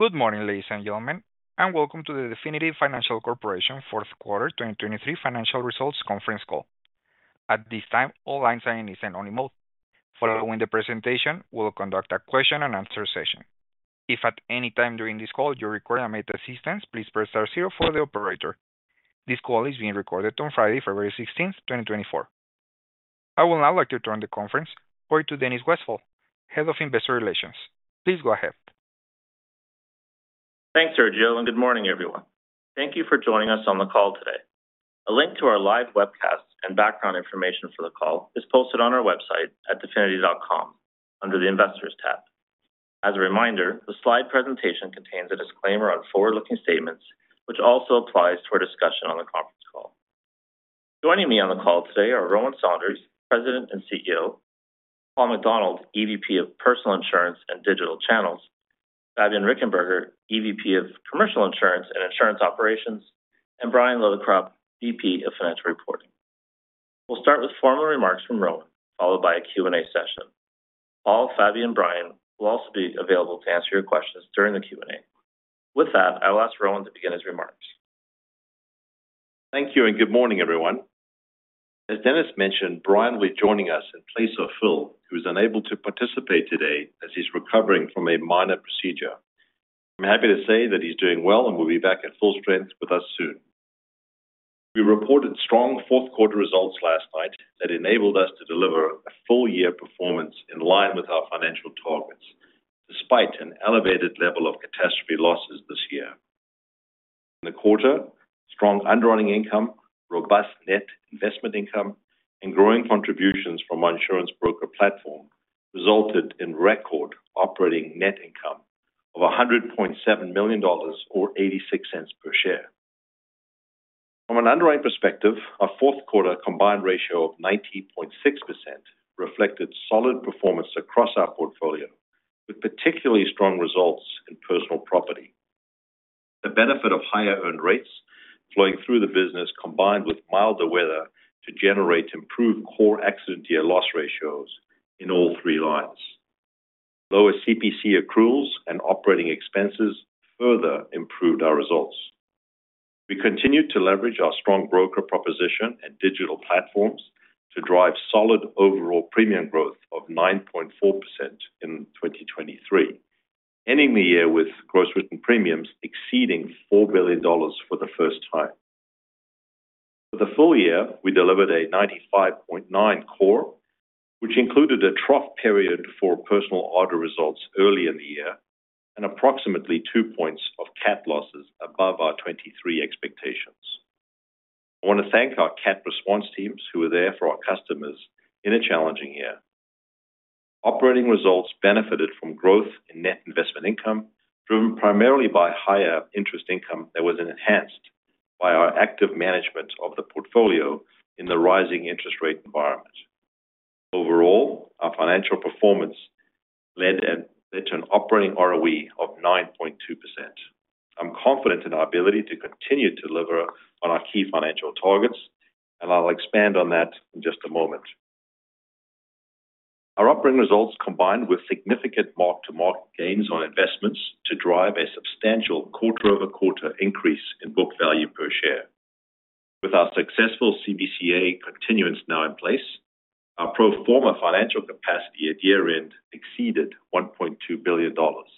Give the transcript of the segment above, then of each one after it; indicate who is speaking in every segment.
Speaker 1: Good morning, ladies and gentlemen, and welcome to the Definity Financial Corporation fourth quarter 2023 financial results conference call. At this time, all lines are in listen-only mode. Following the presentation, we'll conduct a question-and-answer session. If at any time during this call you require operator assistance, please press star zero for the operator. This call is being recorded on Friday, February 16th, 2024. I would now like to turn the conference over to Dennis Westfall, Head of Investor Relations. Please go ahead.
Speaker 2: Thanks, Sergio, and good morning, everyone. Thank you for joining us on the call today. A link to our live webcast and background information for the call is posted on our website at definity.com under the Investors tab. As a reminder, the slide presentation contains a disclaimer on forward-looking statements, which also applies to our discussion on the conference call. Joining me on the call today are Rowan Saunders, President and CEO, Paul MacDonald, EVP of Personal Insurance and Digital Channels, Fabian Richenberger, EVP of Commercial Insurance and Insurance Operations, and Bryan Lillycrop, VP of Financial Reporting. We'll start with formal remarks from Rowan, followed by a Q&A session. Paul, Fabian, and Bryan will also be available to answer your questions during the Q&A. With that, I will ask Rowan to begin his remarks.
Speaker 3: Thank you and good morning, everyone. As Dennis mentioned, Bryan will be joining us in place of Phil, who is unable to participate today as he's recovering from a minor procedure. I'm happy to say that he's doing well and will be back at full strength with us soon. We reported strong fourth quarter results last night that enabled us to deliver a full-year performance in line with our financial targets, despite an elevated level of catastrophe losses this year. In the quarter, strong underwriting income, robust net investment income, and growing contributions from our insurance broker platform resulted in record operating net income of 100.7 million dollars or 0.86 per share. From an underwriting perspective, our fourth quarter combined ratio of 90.6% reflected solid performance across our portfolio, with particularly strong results in Personal Property. The benefit of higher earned rates flowing through the business combined with milder weather to generate improved core accident-year loss ratios in all three lines. Lower CPC accruals and operating expenses further improved our results. We continued to leverage our strong broker proposition and digital platforms to drive solid overall premium growth of 9.4% in 2023, ending the year with gross written premiums exceeding 4 billion dollars for the first time. For the full year, we delivered a 95.9% core, which included a trough period for Personal Auto results early in the year and approximately 2 points of CAT losses above our 2023 expectations. I want to thank our CAT response teams who were there for our customers in a challenging year. Operating results benefited from growth in net investment income driven primarily by higher interest income that was enhanced by our active management of the portfolio in the rising interest rate environment. Overall, our financial performance led to an operating ROE of 9.2%. I'm confident in our ability to continue to deliver on our key financial targets, and I'll expand on that in just a moment. Our operating results combined with significant mark-to-market gains on investments to drive a substantial quarter-over-quarter increase in book value per share. With our successful CBCA continuance now in place, our pro forma financial capacity at year-end exceeded 1.2 billion dollars.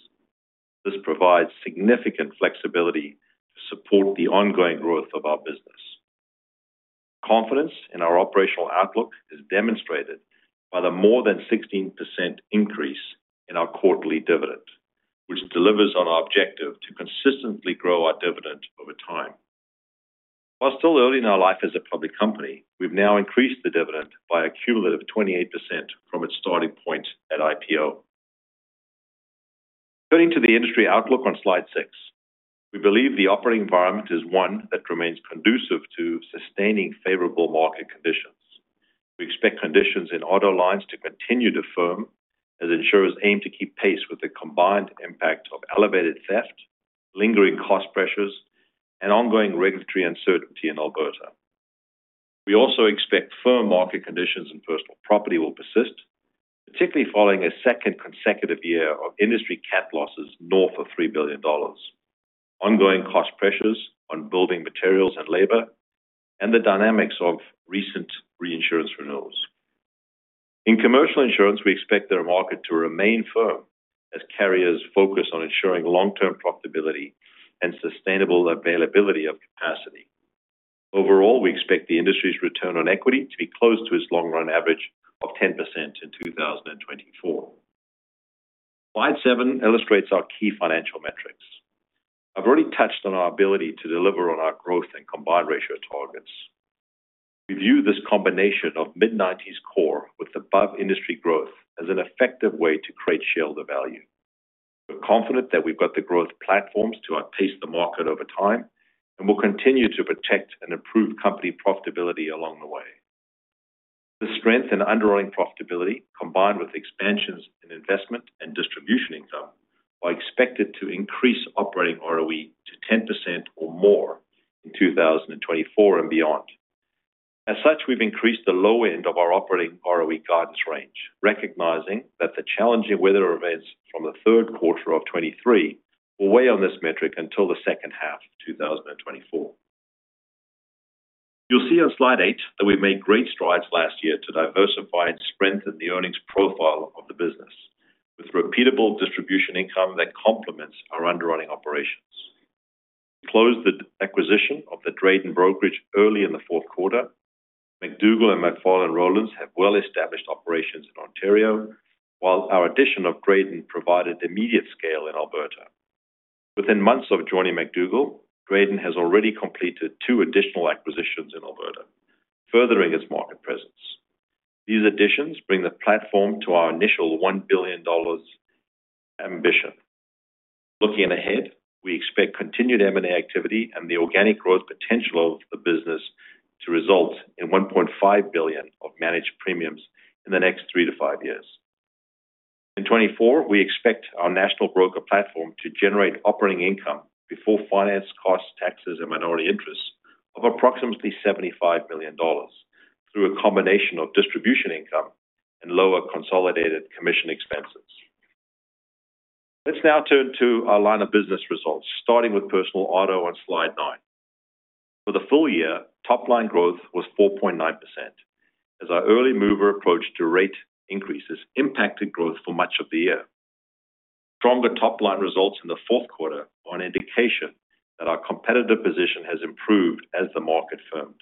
Speaker 3: This provides significant flexibility to support the ongoing growth of our business. Confidence in our operational outlook is demonstrated by the more than 16% increase in our quarterly dividend, which delivers on our objective to consistently grow our dividend over time. While still early in our life as a public company, we've now increased the dividend by a cumulative 28% from its starting point at IPO. Turning to the industry outlook on slide six, we believe the operating environment is one that remains conducive to sustaining favorable market conditions. We expect conditions in auto lines to continue to firm as insurers aim to keep pace with the combined impact of elevated theft, lingering cost pressures, and ongoing regulatory uncertainty in Alberta. We also expect firm market conditions in Personal Property will persist, particularly following a second consecutive year of industry CAT losses north of 3 billion dollars, ongoing cost pressures on building materials and labor, and the dynamics of recent reinsurance renewals. In Commercial Insurance, we expect the market to remain firm as carriers focus on ensuring long-term profitability and sustainable availability of capacity. Overall, we expect the industry's return on equity to be close to its long-run average of 10% in 2024. Slide seven illustrates our key financial metrics. I've already touched on our ability to deliver on our growth and combined ratio targets. We view this combination of mid-90% core with above-industry growth as an effective way to create shareholder value. We're confident that we've got the growth platforms to outpace the market over time, and we'll continue to protect and improve company profitability along the way. The strength in underwriting profitability combined with expansions in investment and distribution income are expected to increase operating ROE to 10% or more in 2024 and beyond. As such, we've increased the low end of our operating ROE guidance range, recognizing that the challenging weather events from the third quarter of 2023 will weigh on this metric until the second half of 2024. You'll see on slide eight that we made great strides last year to diversify and strengthen the earnings profile of the business with repeatable distribution income that complements our underwriting operations. We closed the acquisition of the Drayden brokerage early in the fourth quarter. McDougall and McFarlan Rowlands have well-established operations in Ontario, while our addition of Drayden provided immediate scale in Alberta. Within months of joining McDougall, Drayden has already completed two additional acquisitions in Alberta, furthering its market presence. These additions bring the platform to our initial 1 billion dollars ambition. Looking ahead, we expect continued M&A activity and the organic growth potential of the business to result in 1.5 billion of managed premiums in the next three to five years. In 2024, we expect our national broker platform to generate operating income before finance, costs, taxes, and minority interests of approximately 75 million dollars through a combination of distribution income and lower consolidated commission expenses. Let's now turn to our line of business results, starting with Personal Auto on slide nine. For the full year, top-line growth was 4.9%, as our early mover approach to rate increases impacted growth for much of the year. Stronger top-line results in the fourth quarter are an indication that our competitive position has improved as the market firmed.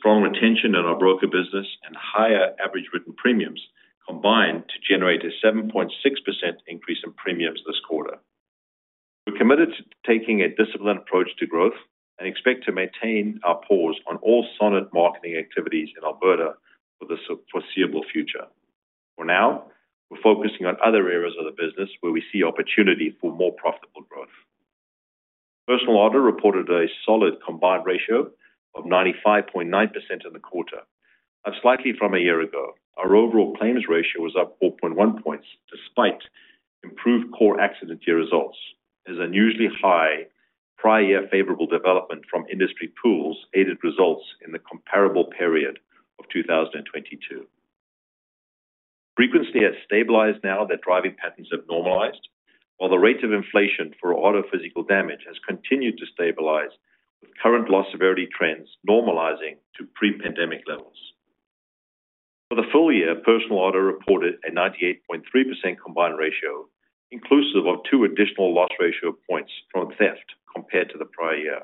Speaker 3: Strong retention in our broker business and higher average written premiums combined to generate a 7.6% increase in premiums this quarter. We're committed to taking a disciplined approach to growth and expect to maintain our pause on all Sonnet marketing activities in Alberta for the foreseeable future. For now, we're focusing on other areas of the business where we see opportunity for more profitable growth. Personal auto reported a solid combined ratio of 95.9% in the quarter, up slightly from a year ago. Our overall claims ratio was up 4.1 points despite improved core accident-year results, as unusually high prior-year favorable development from industry pools aided results in the comparable period of 2022. Frequency has stabilized now that driving patterns have normalized, while the rate of inflation for auto physical damage has continued to stabilize with current loss severity trends normalizing to pre-pandemic levels. For the full year, Personal Auto reported a 98.3% combined ratio, inclusive of 2 additional loss ratio points from theft compared to the prior year.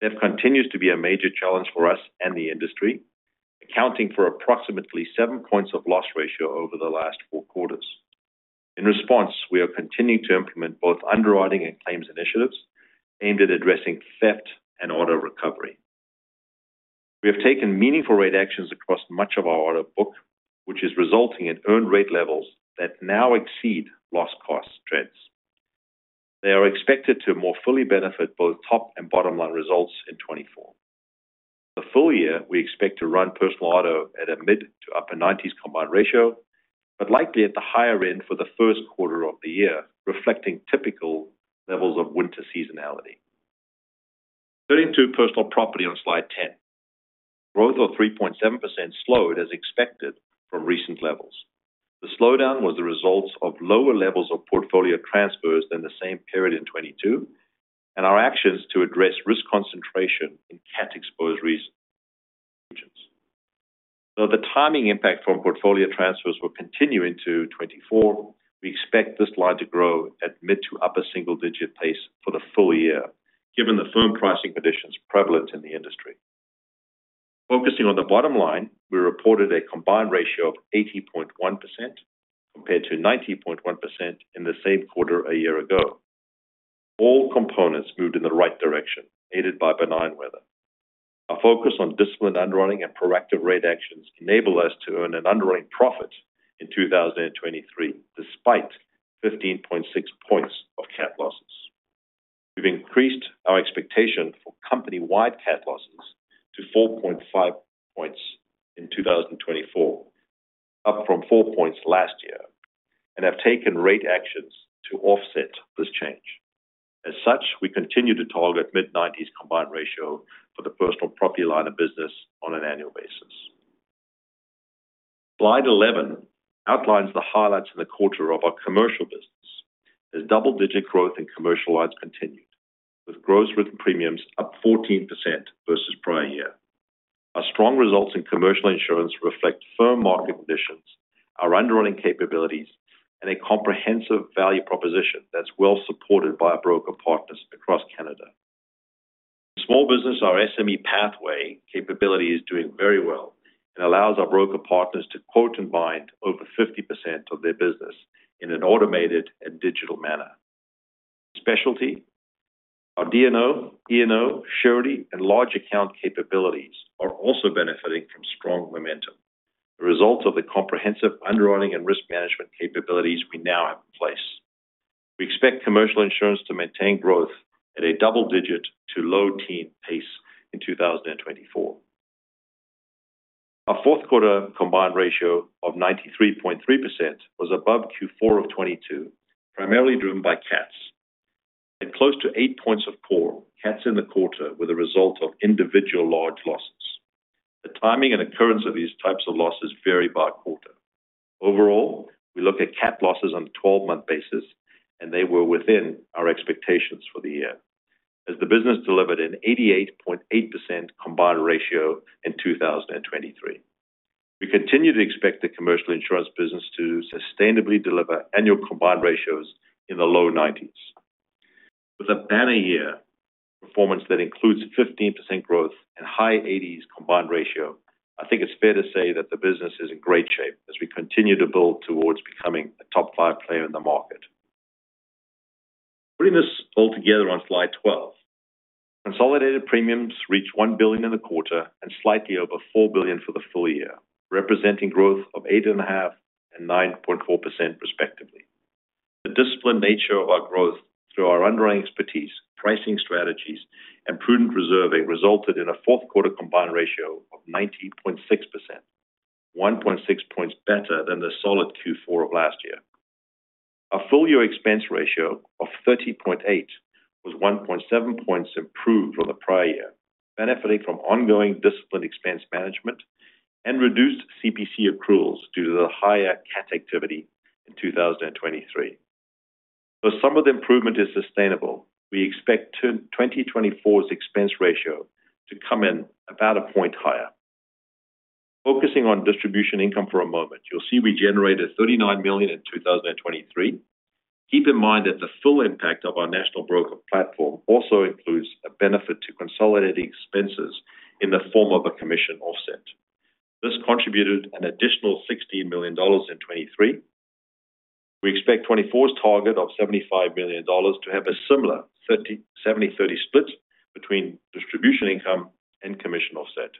Speaker 3: Theft continues to be a major challenge for us and the industry, accounting for approximately seven points of loss ratio over the last four quarters. In response, we are continuing to implement both underwriting and claims initiatives aimed at addressing theft and auto recovery. We have taken meaningful rate actions across much of our auto book, which is resulting in earned rate levels that now exceed loss cost trends. They are expected to more fully benefit both top and bottom-line results in 2024. For the full year, we expect to run Personal Auto at a mid- to upper-90s combined ratio, but likely at the higher end for the first quarter of the year, reflecting typical levels of winter seasonality. Turning to Personal Property on slide 10, growth of 3.7% slowed as expected from recent levels. The slowdown was the results of lower levels of portfolio transfers than the same period in 2022 and our actions to address risk concentration in CAT-exposed regions. Though the timing impact from portfolio transfers will continue into 2024, we expect this line to grow at mid- to upper-single-digit pace for the full year, given the firm pricing conditions prevalent in the industry. Focusing on the bottom line, we reported a combined ratio of 80.1% compared to 90.1% in the same quarter a year ago. All components moved in the right direction, aided by benign weather. Our focus on disciplined underwriting and proactive rate actions enabled us to earn an underwriting profit in 2023 despite 15.6 points of CAT losses. We've increased our expectation for company-wide CAT losses to 4.5 points in 2024, up from four points last year, and have taken rate actions to offset this change. As such, we continue to target mid-90s combined ratio for the Personal Property line of business on an annual basis. Slide 11 outlines the highlights in the quarter of our Commercial business as double-digit growth in Commercial lines continued, with gross written premiums up 14% versus prior year. Our strong results in Commercial Insurance reflect firm market conditions, our underwriting capabilities, and a comprehensive value proposition that's well supported by our broker partners across Canada. The small business, our SME pathway capability, is doing very well and allows our broker partners to quote and bind over 50% of their business in an automated and digital manner. Specialty, our D&O, E&O, surety, and large account capabilities are also benefiting from strong momentum, the results of the comprehensive underwriting and risk management capabilities we now have in place. We expect Commercial Insurance to maintain growth at a double-digit to low-teen pace in 2024. Our fourth quarter combined ratio of 93.3% was above Q4 of 2022, primarily driven by CATs. At close to 8 points of core, CATs in the quarter were the result of individual large losses. The timing and occurrence of these types of losses vary by quarter. Overall, we look at CAT losses on a 12-month basis, and they were within our expectations for the year, as the business delivered an 88.8% combined ratio in 2023. We continue to expect the Commercial Insurance business to sustainably deliver annual combined ratios in the low-90s. With a banner year performance that includes 15% growth and high-80s combined ratio, I think it's fair to say that the business is in great shape as we continue to build towards becoming a top-five player in the market. Putting this all together on slide 12, consolidated premiums reached 1 billion in the quarter and slightly over 4 billion for the full year, representing growth of 8.5% and 9.4% respectively. The disciplined nature of our growth through our underlying expertise, pricing strategies, and prudent reserving resulted in a fourth quarter combined ratio of 90.6%, 1.6 points better than the solid Q4 of last year. Our full-year expense ratio of 30.8% was 1.7 points improved from the prior year, benefiting from ongoing disciplined expense management and reduced CPC accruals due to the higher CAT activity in 2023. Though some of the improvement is sustainable, we expect 2024's expense ratio to come in about a point higher. Focusing on Distribution income for a moment, you'll see we generated 39 million in 2023. Keep in mind that the full impact of our national broker platform also includes a benefit to consolidated expenses in the form of a commission offset. This contributed an additional 16 million dollars in 2023. We expect 2024's target of 75 million dollars to have a similar 70/30 split between distribution income and commission offset.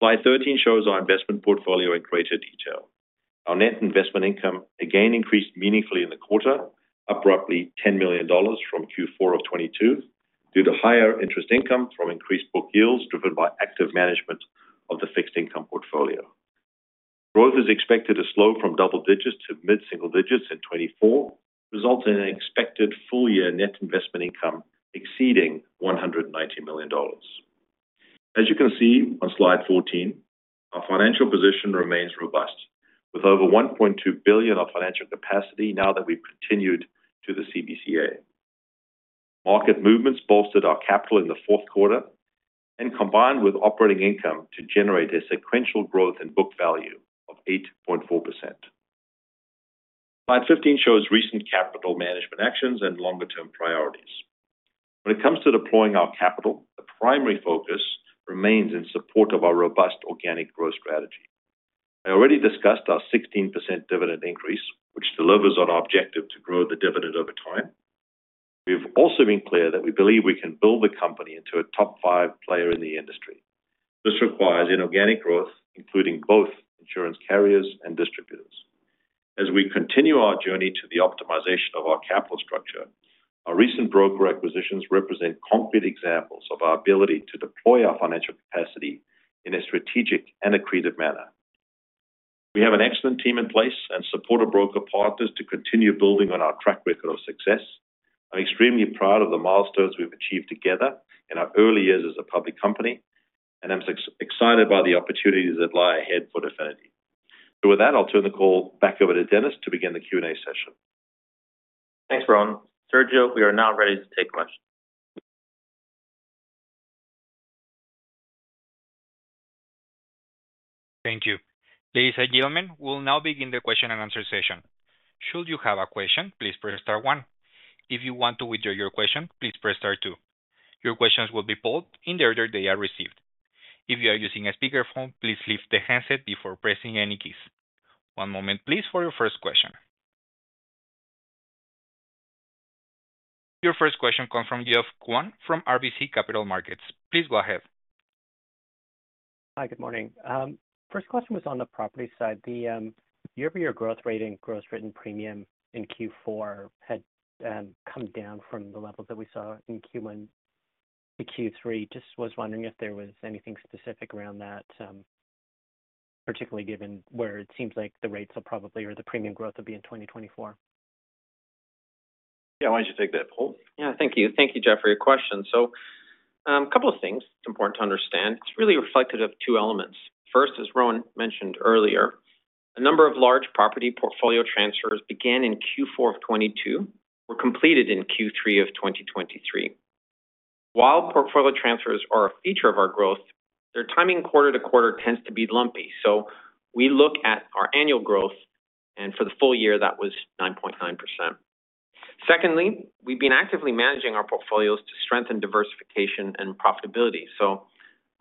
Speaker 3: Slide 13 shows our investment portfolio in greater detail. Our net investment income again increased meaningfully in the quarter, up roughly 10 million dollars from Q4 of 2022 due to higher interest income from increased book yields driven by active management of the fixed income portfolio. Growth is expected to slow from double digits to mid-single digits in 2024, resulting in an expected full-year net investment income exceeding 190 million dollars. As you can see on Slide 14, our financial position remains robust with over 1.2 billion of financial capacity now that we've continued to the CBCA. Market movements bolstered our capital in the fourth quarter and combined with operating income to generate a sequential growth in book value of 8.4%. Slide 15 shows recent capital management actions and longer-term priorities. When it comes to deploying our capital, the primary focus remains in support of our robust organic growth strategy. I already discussed our 16% dividend increase, which delivers on our objective to grow the dividend over time. We've also been clear that we believe we can build the company into a top-five player in the industry. This requires inorganic growth, including both insurance carriers and distributors. As we continue our journey to the optimization of our capital structure, our recent broker acquisitions represent concrete examples of our ability to deploy our financial capacity in a strategic and accretive manner. We have an excellent team in place and supportive broker partners to continue building on our track record of success. I'm extremely proud of the milestones we've achieved together in our early years as a public company, and I'm excited by the opportunities that lie ahead for Definity. With that, I'll turn the call back over to Dennis to begin the Q&A session.
Speaker 2: Thanks, Rowan. Sergio, we are now ready to take questions.
Speaker 1: Thank you. Ladies and gentlemen, we'll now begin the question and answer session. Should you have a question, please press star one. If you want to withdraw your question, please press star two. Your questions will be polled in the order they are received. If you are using a speakerphone, please lift the handset before pressing any keys. One moment, please, for your first question. Your first question comes from Geoff Kwan from RBC Capital Markets. Please go ahead.
Speaker 4: Hi, good morning. First question was on the property side. The year-over-year growth rate in gross written premium in Q4 had come down from the levels that we saw in Q1 to Q3. Just was wondering if there was anything specific around that, particularly given where it seems like the rates will probably or the premium growth will be in 2024?
Speaker 3: Yeah, why don't you take that, Paul?
Speaker 5: Yeah, thank you. Thank you, Geoff, for your question. So a couple of things it's important to understand. It's really reflective of two elements. First, as Rowan mentioned earlier, a number of large property portfolio transfers began in Q4 of 2022, were completed in Q3 of 2023. While portfolio transfers are a feature of our growth, their timing quarter to quarter tends to be lumpy. So we look at our annual growth, and for the full year, that was 9.9%. Secondly, we've been actively managing our portfolios to strengthen diversification and profitability.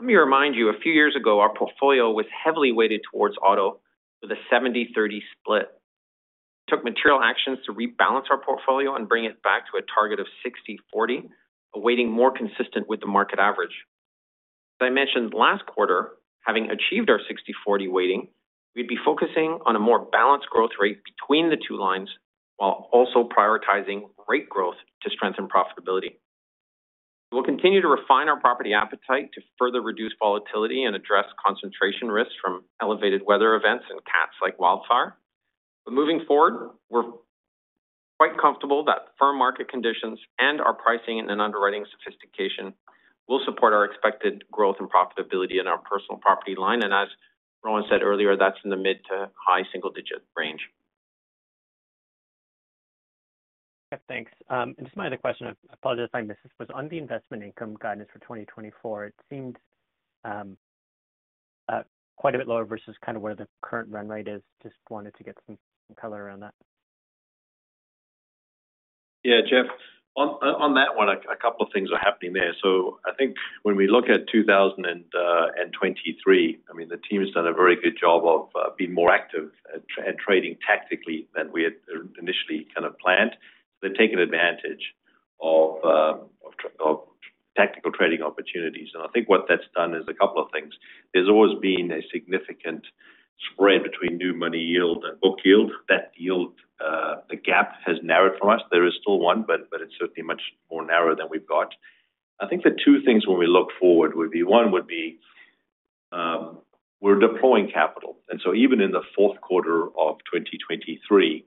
Speaker 5: So let me remind you, a few years ago, our portfolio was heavily weighted towards auto with a 70/30 split. We took material actions to rebalance our portfolio and bring it back to a target of 60/40, a weighting more consistent with the market average. As I mentioned, last quarter, having achieved our 60/40 weighting, we'd be focusing on a more balanced growth rate between the two lines while also prioritizing rate growth to strengthen profitability. We'll continue to refine our property appetite to further reduce volatility and address concentration risks from elevated weather events and CATs like wildfire. But moving forward, we're quite comfortable that firm market conditions and our pricing and underwriting sophistication will support our expected growth and profitability in our Personal Property line. And as Rowan said earlier, that's in the mid to high single-digit range.
Speaker 4: Yeah, thanks. Just another question. I apologize if I missed this. Was on the investment income guidance for 2024? It seemed quite a bit lower versus kind of where the current run rate is. Just wanted to get some color around that.
Speaker 3: Yeah, Geoff, on that one, a couple of things are happening there. So I think when we look at 2023, I mean, the team has done a very good job of being more active at trading tactically than we had initially kind of planned. So they've taken advantage of tactical trading opportunities. And I think what that's done is a couple of things. There's always been a significant spread between new money yield and book yield. That yield, the gap, has narrowed for us. There is still one, but it's certainly much more narrow than we've got. I think the two things when we look forward would be one would be we're deploying capital. And so even in the fourth quarter of 2023,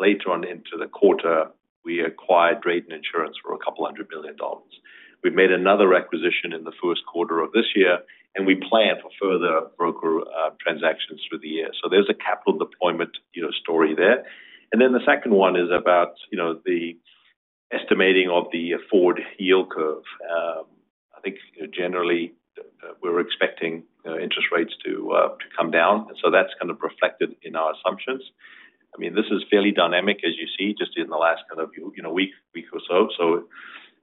Speaker 3: later on into the quarter, we acquired Drayden Insurance for 200 million dollars. We've made another acquisition in the first quarter of this year, and we plan for further broker transactions through the year. So there's a capital deployment story there. And then the second one is about the estimating of the forward yield curve. I think generally, we're expecting interest rates to come down. And so that's kind of reflected in our assumptions. I mean, this is fairly dynamic, as you see, just in the last kind of week or so. So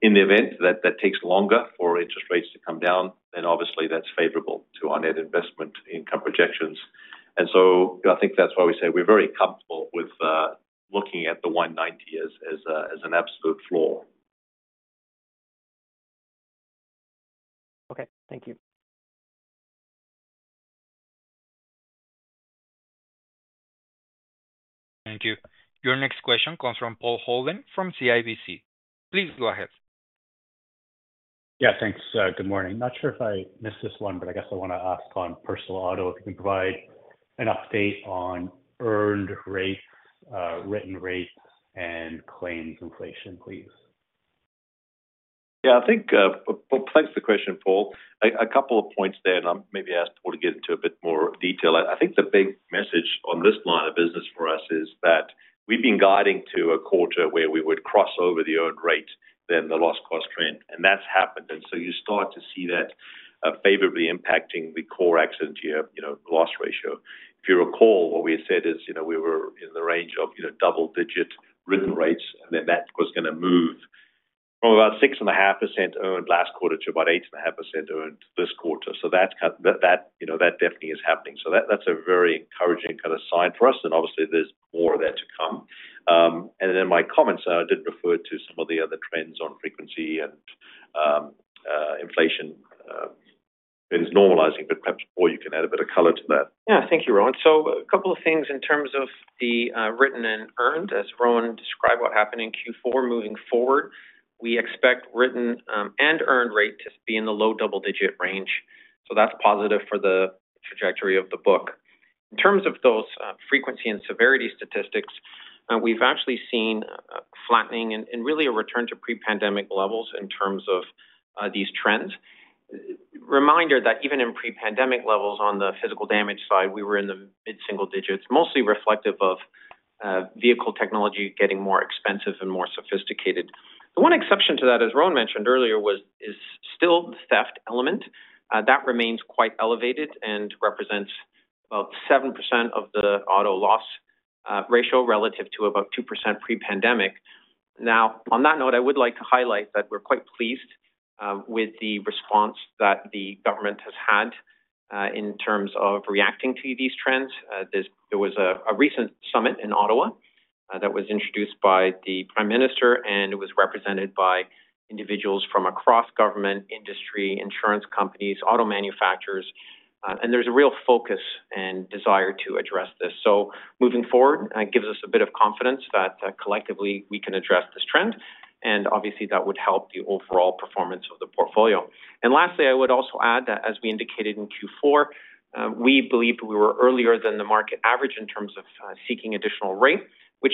Speaker 3: in the event that that takes longer for interest rates to come down, then obviously, that's favorable to our net investment income projections. And so I think that's why we say we're very comfortable with looking at the 190 million as an absolute floor.
Speaker 4: Okay, thank you.
Speaker 1: Thank you. Your next question comes from Paul Holden from CIBC. Please go ahead.
Speaker 6: Yeah, thanks. Good morning. Not sure if I missed this one, but I guess I want to ask on Personal Auto if you can provide an update on earned rates, written rates, and claims inflation, please?
Speaker 3: Yeah, I think, thanks for the question, Paul. A couple of points there, and I'll maybe ask Paul to get into a bit more detail. I think the big message on this line of business for us is that we've been guiding to a quarter where we would cross over the earned rate over the loss cost trend. And that's happened. And so you start to see that favorably impacting the core accident year loss ratio. If you recall, what we had said is we were in the range of double-digit written rates, and then that was going to move from about 6.5% earned last quarter to about 8.5% earned this quarter. So that definitely is happening. So that's a very encouraging kind of sign for us. And obviously, there's more there to come. And then, my comments, I did refer to some of the other trends on frequency and inflation trends normalizing, but perhaps Paul, you can add a bit of color to that.
Speaker 5: Yeah, thank you, Rowan. So a couple of things in terms of the written and earned. As Rowan described what happened in Q4 moving forward, we expect written and earned rate to be in the low double-digit range. So that's positive for the trajectory of the book. In terms of those frequency and severity statistics, we've actually seen flattening and really a return to pre-pandemic levels in terms of these trends. Reminder that even in pre-pandemic levels on the physical damage side, we were in the mid-single digits, mostly reflective of vehicle technology getting more expensive and more sophisticated. The one exception to that, as Rowan mentioned earlier, is still the theft element. That remains quite elevated and represents about 7% of the auto loss ratio relative to about 2% pre-pandemic. Now, on that note, I would like to highlight that we're quite pleased with the response that the government has had in terms of reacting to these trends. There was a recent summit in Ottawa that was introduced by the Prime Minister, and it was represented by individuals from across government, industry, insurance companies, auto manufacturers. There's a real focus and desire to address this. Moving forward gives us a bit of confidence that collectively, we can address this trend. Obviously, that would help the overall performance of the portfolio. Lastly, I would also add that as we indicated in Q4, we believed we were earlier than the market average in terms of seeking additional rate, which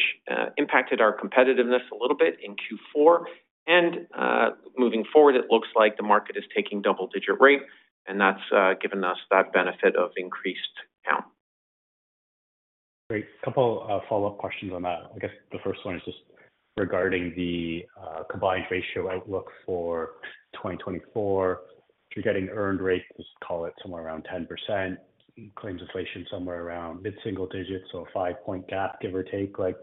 Speaker 5: impacted our competitiveness a little bit in Q4. Moving forward, it looks like the market is taking double-digit rate, and that's given us that benefit of increased count.
Speaker 6: Great. A couple of follow-up questions on that. I guess the first one is just regarding the combined ratio outlook for 2024. If you're getting earned rate, just call it somewhere around 10%, claims inflation somewhere around mid-single digit, so a 5-point gap, give or take. What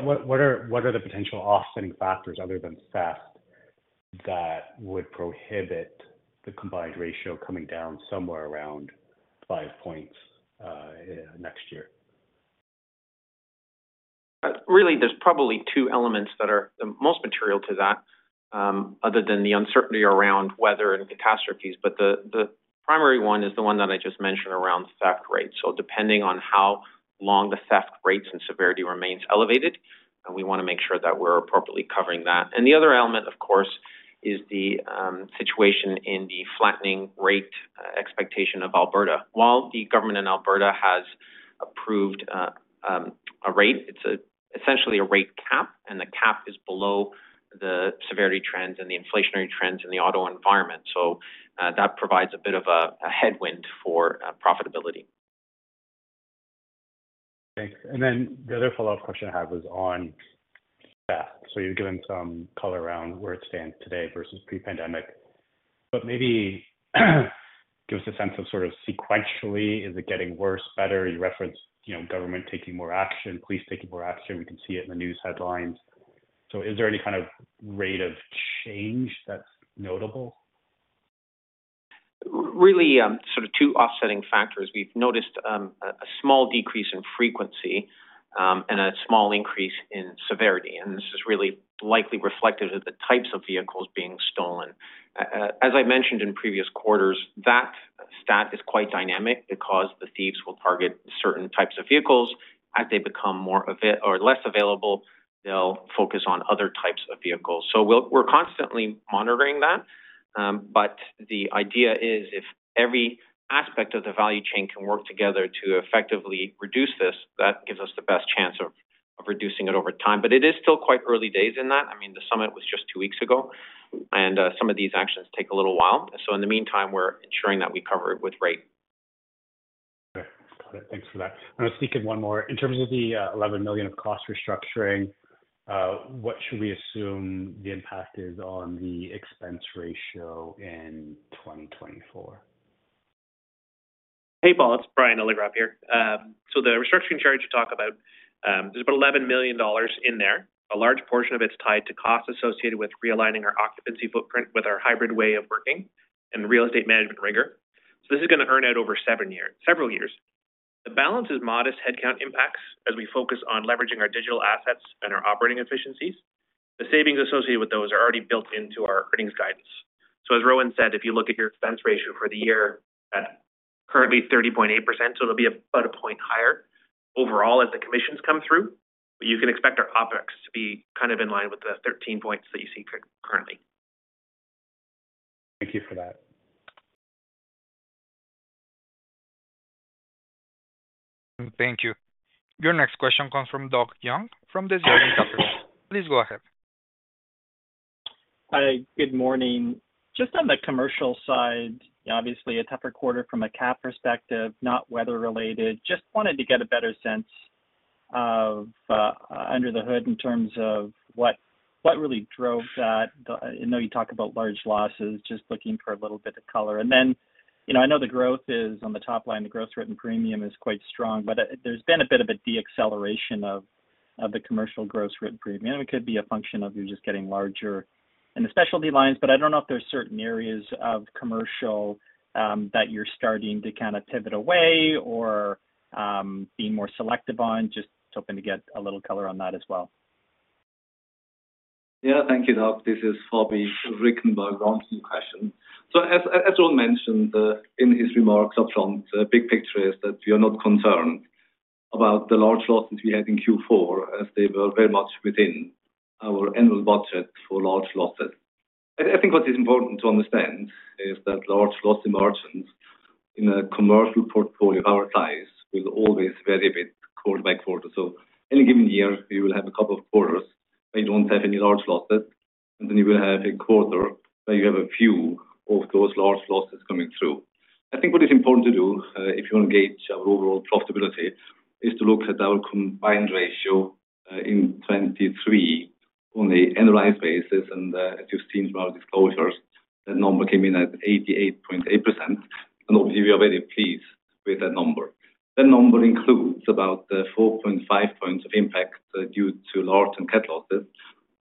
Speaker 6: are the potential offsetting factors other than theft that would prohibit the combined ratio coming down somewhere around 5 points next year?
Speaker 5: Really, there's probably two elements that are the most material to that other than the uncertainty around weather and catastrophes. But the primary one is the one that I just mentioned around theft rate. So depending on how long the theft rates and severity remains elevated, we want to make sure that we're appropriately covering that. And the other element, of course, is the situation in the flattening rate expectation of Alberta. While the government in Alberta has approved a rate, it's essentially a rate cap, and the cap is below the severity trends and the inflationary trends in the auto environment. So that provides a bit of a headwind for profitability.
Speaker 6: Thanks. The other follow-up question I have was on theft. You've given some color around where it stands today versus pre-pandemic. Maybe give us a sense of sort of sequentially, is it getting worse, better? You referenced government taking more action, police taking more action. We can see it in the news headlines. Is there any kind of rate of change that's notable?
Speaker 5: Really, sort of two offsetting factors. We've noticed a small decrease in frequency and a small increase in severity. And this is really likely reflective of the types of vehicles being stolen. As I mentioned in previous quarters, that stat is quite dynamic because the thieves will target certain types of vehicles. As they become more or less available, they'll focus on other types of vehicles. So we're constantly monitoring that. But the idea is if every aspect of the value chain can work together to effectively reduce this, that gives us the best chance of reducing it over time. But it is still quite early days in that. I mean, the summit was just two weeks ago. And some of these actions take a little while. So in the meantime, we're ensuring that we cover it with rate.
Speaker 6: Okay, got it. Thanks for that. I'm going to sneak in one more. In terms of the 11 million of cost restructuring, what should we assume the impact is on the expense ratio in 2024?
Speaker 7: Hey, Paul. It's Bryan Lillycrop here. So the restructuring charge you talk about, there's about 11 million dollars in there. A large portion of it's tied to costs associated with realigning our occupancy footprint with our hybrid way of working and real estate management rigor. So this is going to earn out over several years. The balance is modest headcount impacts as we focus on leveraging our digital assets and our operating efficiencies. The savings associated with those are already built into our earnings guidance. So as Rowan said, if you look at your expense ratio for the year, currently 30.8%. So it'll be about a point higher overall as the commissions come through. But you can expect our OpEx to be kind of in line with the 13 points that you see currently.
Speaker 6: Thank you for that.
Speaker 1: Thank you. Your next question comes from Doug Young from Desjardins Capital. Please go ahead.
Speaker 8: Hi, good morning. Just on the Commercial side, obviously, a tougher quarter from a CAT perspective, not weather-related. Just wanted to get a better sense of under the hood in terms of what really drove that. I know you talk about large losses, just looking for a little bit of color. And then I know the growth is on the top line. The growth written premium is quite strong. But there's been a bit of a deceleration of the Commercial gross written premium. It could be a function of you just getting larger in the Specialty Lines. But I don't know if there's certain areas of Commercial that you're starting to kind of pivot away or be more selective on. Just hoping to get a little color on that as well.
Speaker 9: Yeah, thank you, Doug. This is Fabian Richenberger on some questions. So as Rowan mentioned in his remarks upfront, the big picture is that we are not concerned about the large losses we had in Q4 as they were very much within our annual budget for large losses. I think what is important to understand is that large loss emergence in Commercial portfolio of our size will always vary a bit quarter by quarter. So any given year, you will have a couple of quarters where you don't have any large losses. And then you will have a quarter where you have a few of those large losses coming through. I think what is important to do if you want to gauge our overall profitability is to look at our combined ratio in 2023 on an annualized basis. As you've seen from our disclosures, that number came in at 88.8%. Obviously, we are very pleased with that number. That number includes about 4.5 points of impact due to large and CAT losses.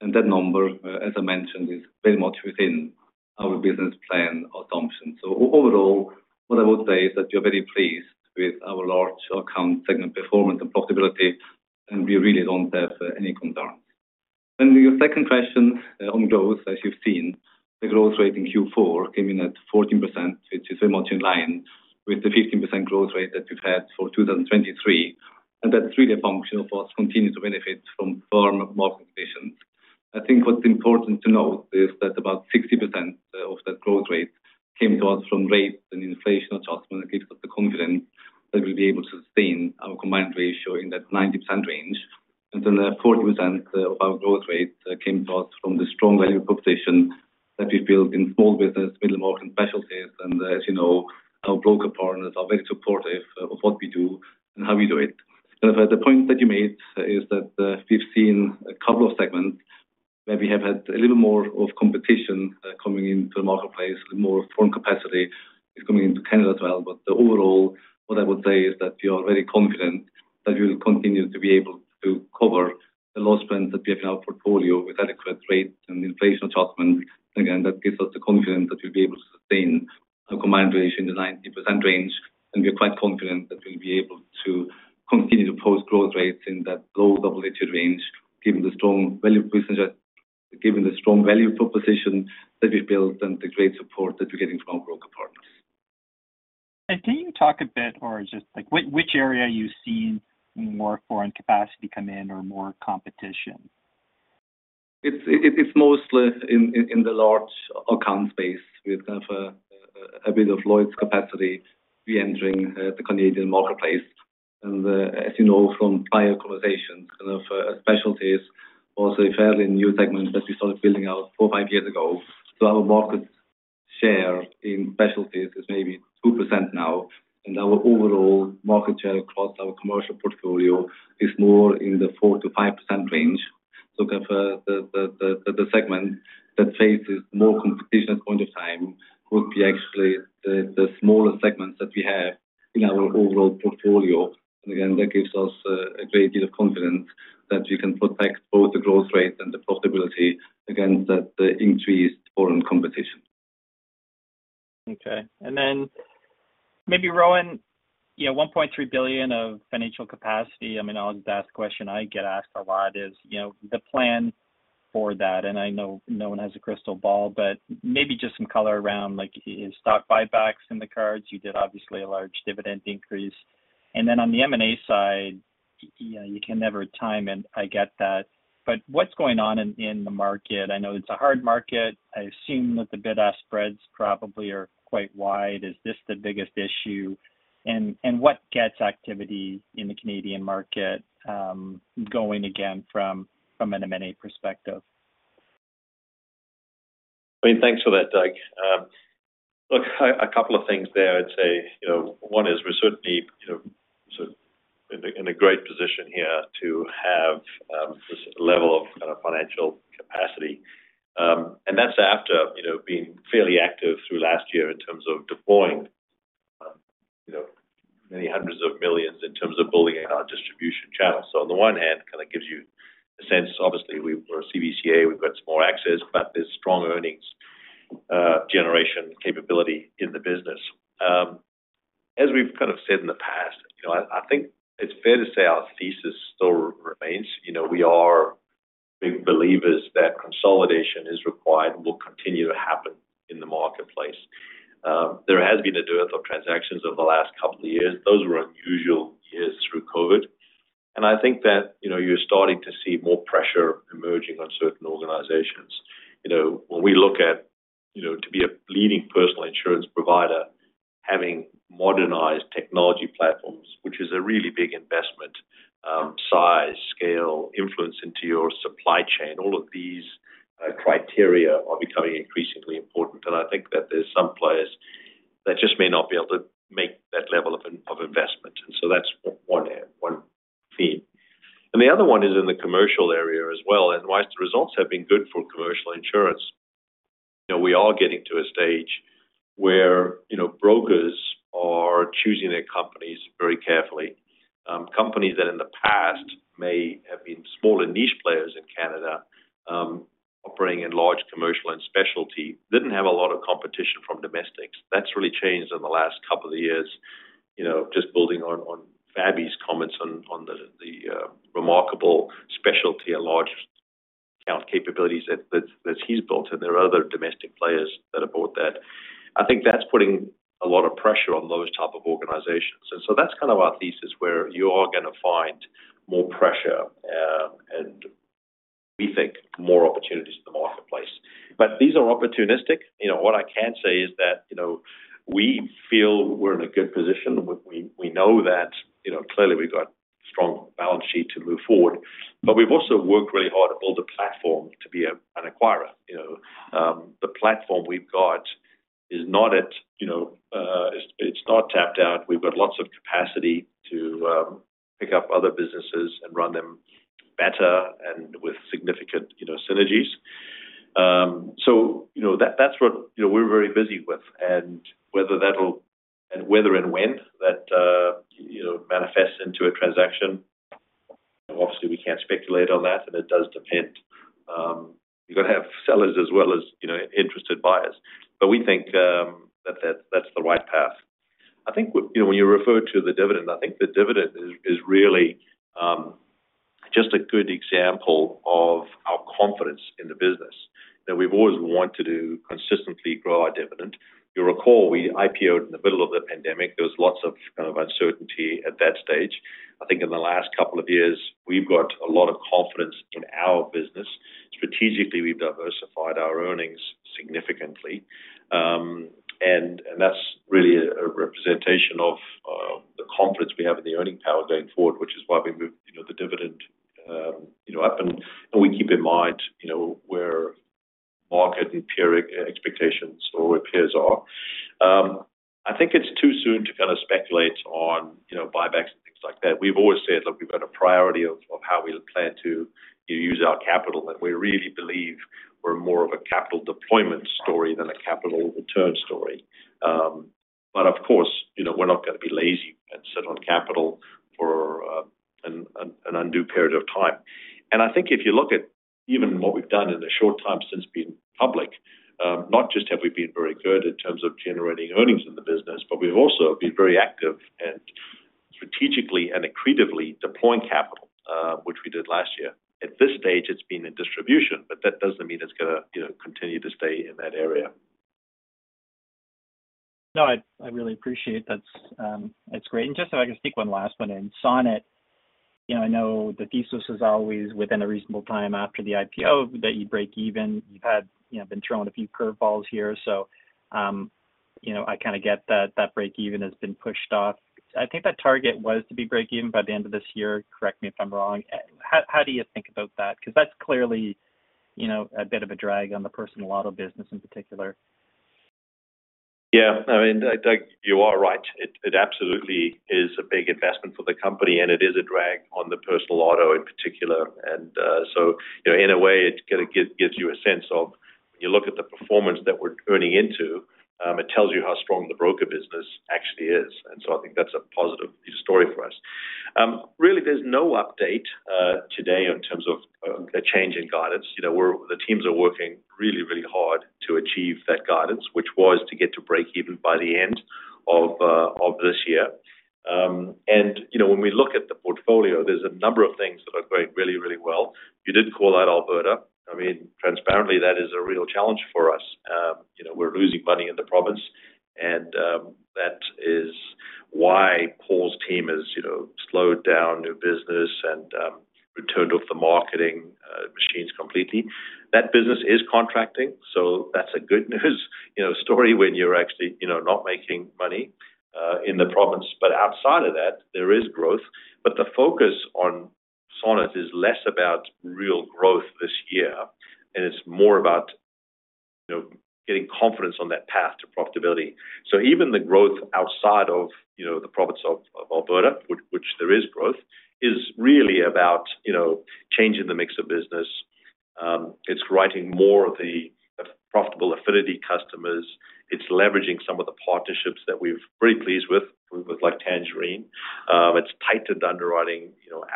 Speaker 9: That number, as I mentioned, is very much within our business plan assumptions. Overall, what I would say is that we are very pleased with our large account segment performance and profitability. We really don't have any concerns. Your second question on growth, as you've seen, the growth rate in Q4 came in at 14%, which is very much in line with the 15% growth rate that we've had for 2023. That's really a function of us continuing to benefit from firm market conditions. I think what's important to note is that about 60% of that growth rate came to us from rates and inflation adjustment. It gives us the confidence that we'll be able to sustain our combined ratio in that 90% range. And then 40% of our growth rate came to us from the strong value proposition that we've built in small business, middle market specialties. And as you know, our broker partners are very supportive of what we do and how we do it. Kind of the point that you made is that we've seen a couple of segments where we have had a little more of competition coming into the marketplace. A little more foreign capacity is coming into Canada as well. But overall, what I would say is that we are very confident that we will continue to be able to cover the loss trends that we have in our portfolio with adequate rate and inflation adjustment. And again, that gives us the confidence that we'll be able to sustain our combined ratio in the 90% range. And we're quite confident that we'll be able to continue to post growth rates in that low double-digit range given the strong value proposition that we've built and the great support that we're getting from our broker partners.
Speaker 8: Can you talk a bit, or just which area you've seen more foreign capacity come in, or more competition?
Speaker 9: It's mostly in the large account space with kind of a bit of Lloyd's capacity reentering the Canadian marketplace. As you know from prior conversations, kind of Specialties was a fairly new segment that we started building out four or five years ago. Our market share in specialties is maybe 2% now. Our overall market share across our Commercial portfolio is more in the 4%-5% range. Kind of the segment that faces more competition at the point of time would be actually the smaller segments that we have in our overall portfolio. Again, that gives us a great deal of confidence that we can protect both the growth rate and the profitability against that increased foreign competition.
Speaker 8: Okay. And then maybe Rowan, 1.3 billion of financial capacity. I mean, always the asked question I get asked a lot is the plan for that. And I know no one has a crystal ball, but maybe just some color around stock buybacks in the cards. You did obviously a large dividend increase. And then on the M&A side, you can never time it. I get that. But what's going on in the market? I know it's a hard market. I assume that the bid-ask spreads probably are quite wide. Is this the biggest issue? And what gets activity in the Canadian market going again from an M&A perspective?
Speaker 3: I mean, thanks for that, Doug. Look, a couple of things there, I'd say. One is we're certainly sort of in a great position here to have this level of kind of financial capacity. And that's after being fairly active through last year in terms of deploying many hundreds of millions CAD in terms of building out our distribution channel. So on the one hand, kind of gives you a sense, obviously, we're a CBCA. We've got some more access, but there's strong earnings generation capability in the business. As we've kind of said in the past, I think it's fair to say our thesis still remains. We are big believers that consolidation is required and will continue to happen in the marketplace. There has been a dearth of transactions over the last couple of years. Those were unusual years through COVID. I think that you're starting to see more pressure emerging on certain organizations. When we look at to be a leading Personal Insurance provider, having modernized technology platforms, which is a really big investment size, scale, influence into your supply chain, all of these criteria are becoming increasingly important. I think that there's some players that just may not be able to make that level of investment. So that's one theme. The other one is in the Commercial area as well. While the results have been good for Commercial Insurance, we are getting to a stage where brokers are choosing their companies very carefully. Companies that in the past may have been smaller niche players in Canada operating in large commercial and specialty didn't have a lot of competition from domestics. That's really changed in the last couple of years, just building on Fabian's comments on the remarkable specialty and large account capabilities that he's built. And there are other domestic players that have bought that. I think that's putting a lot of pressure on those types of organizations. And so that's kind of our thesis where you are going to find more pressure and, we think, more opportunities in the marketplace. But these are opportunistic. What I can say is that we feel we're in a good position. We know that clearly, we've got a strong balance sheet to move forward. But we've also worked really hard to build a platform to be an acquirer. The platform we've got is not tapped out. We've got lots of capacity to pick up other businesses and run them better and with significant synergies. So that's what we're very busy with. Whether and when that manifests into a transaction, obviously, we can't speculate on that. It does depend. You've got to have sellers as well as interested buyers. We think that that's the right path. I think when you refer to the dividend, I think the dividend is really just a good example of our confidence in the business. We've always wanted to consistently grow our dividend. You'll recall, we IPOed in the middle of the pandemic. There was lots of kind of uncertainty at that stage. I think in the last couple of years, we've got a lot of confidence in our business. Strategically, we've diversified our earnings significantly. That's really a representation of the confidence we have in the earning power going forward, which is why we moved the dividend up. We keep in mind where market and peer expectations are or where peers are. I think it's too soon to kind of speculate on buybacks and things like that. We've always said, "Look, we've got a priority of how we plan to use our capital." We really believe we're more of a capital deployment story than a capital return story. But of course, we're not going to be lazy and sit on capital for an undue period of time. I think if you look at even what we've done in the short time since being public, not just have we been very good in terms of generating earnings in the business, but we've also been very active and strategically and accretively deploying capital, which we did last year. At this stage, it's been in distribution. But that doesn't mean it's going to continue to stay in that area.
Speaker 8: No, I really appreciate that. It's great. And just if I could sneak one last one in, Sonnet, I know the thesis is always within a reasonable time after the IPO that you break even. You've been throwing a few curveballs here. So I kind of get that break-even has been pushed off. I think that target was to be break-even by the end of this year. Correct me if I'm wrong. How do you think about that? Because that's clearly a bit of a drag on the Personal Auto business in particular.
Speaker 3: Yeah. I mean, Doug, you are right. It absolutely is a big investment for the company. It is a drag on the Personal Auto in particular. In a way, it gives you a sense of when you look at the performance that we're earning into, it tells you how strong the broker business actually is. I think that's a positive story for us. Really, there's no update today in terms of a change in guidance. The teams are working really, really hard to achieve that guidance, which was to get to break-even by the end of this year. When we look at the portfolio, there's a number of things that are going really, really well. You did call out Alberta. I mean, transparently, that is a real challenge for us. We're losing money in the province. That is why Paul's team has slowed down new business and turned off the marketing machines completely. That business is contracting. So that's a good news story when you're actually not making money in the province. But outside of that, there is growth. But the focus on Sonnet is less about real growth this year. And it's more about getting confidence on that path to profitability. So even the growth outside of the province of Alberta, which there is growth, is really about change in the mix of business. It's writing more of the profitable affinity customers. It's leveraging some of the partnerships that we're very pleased with, with Tangerine. It's tightened underwriting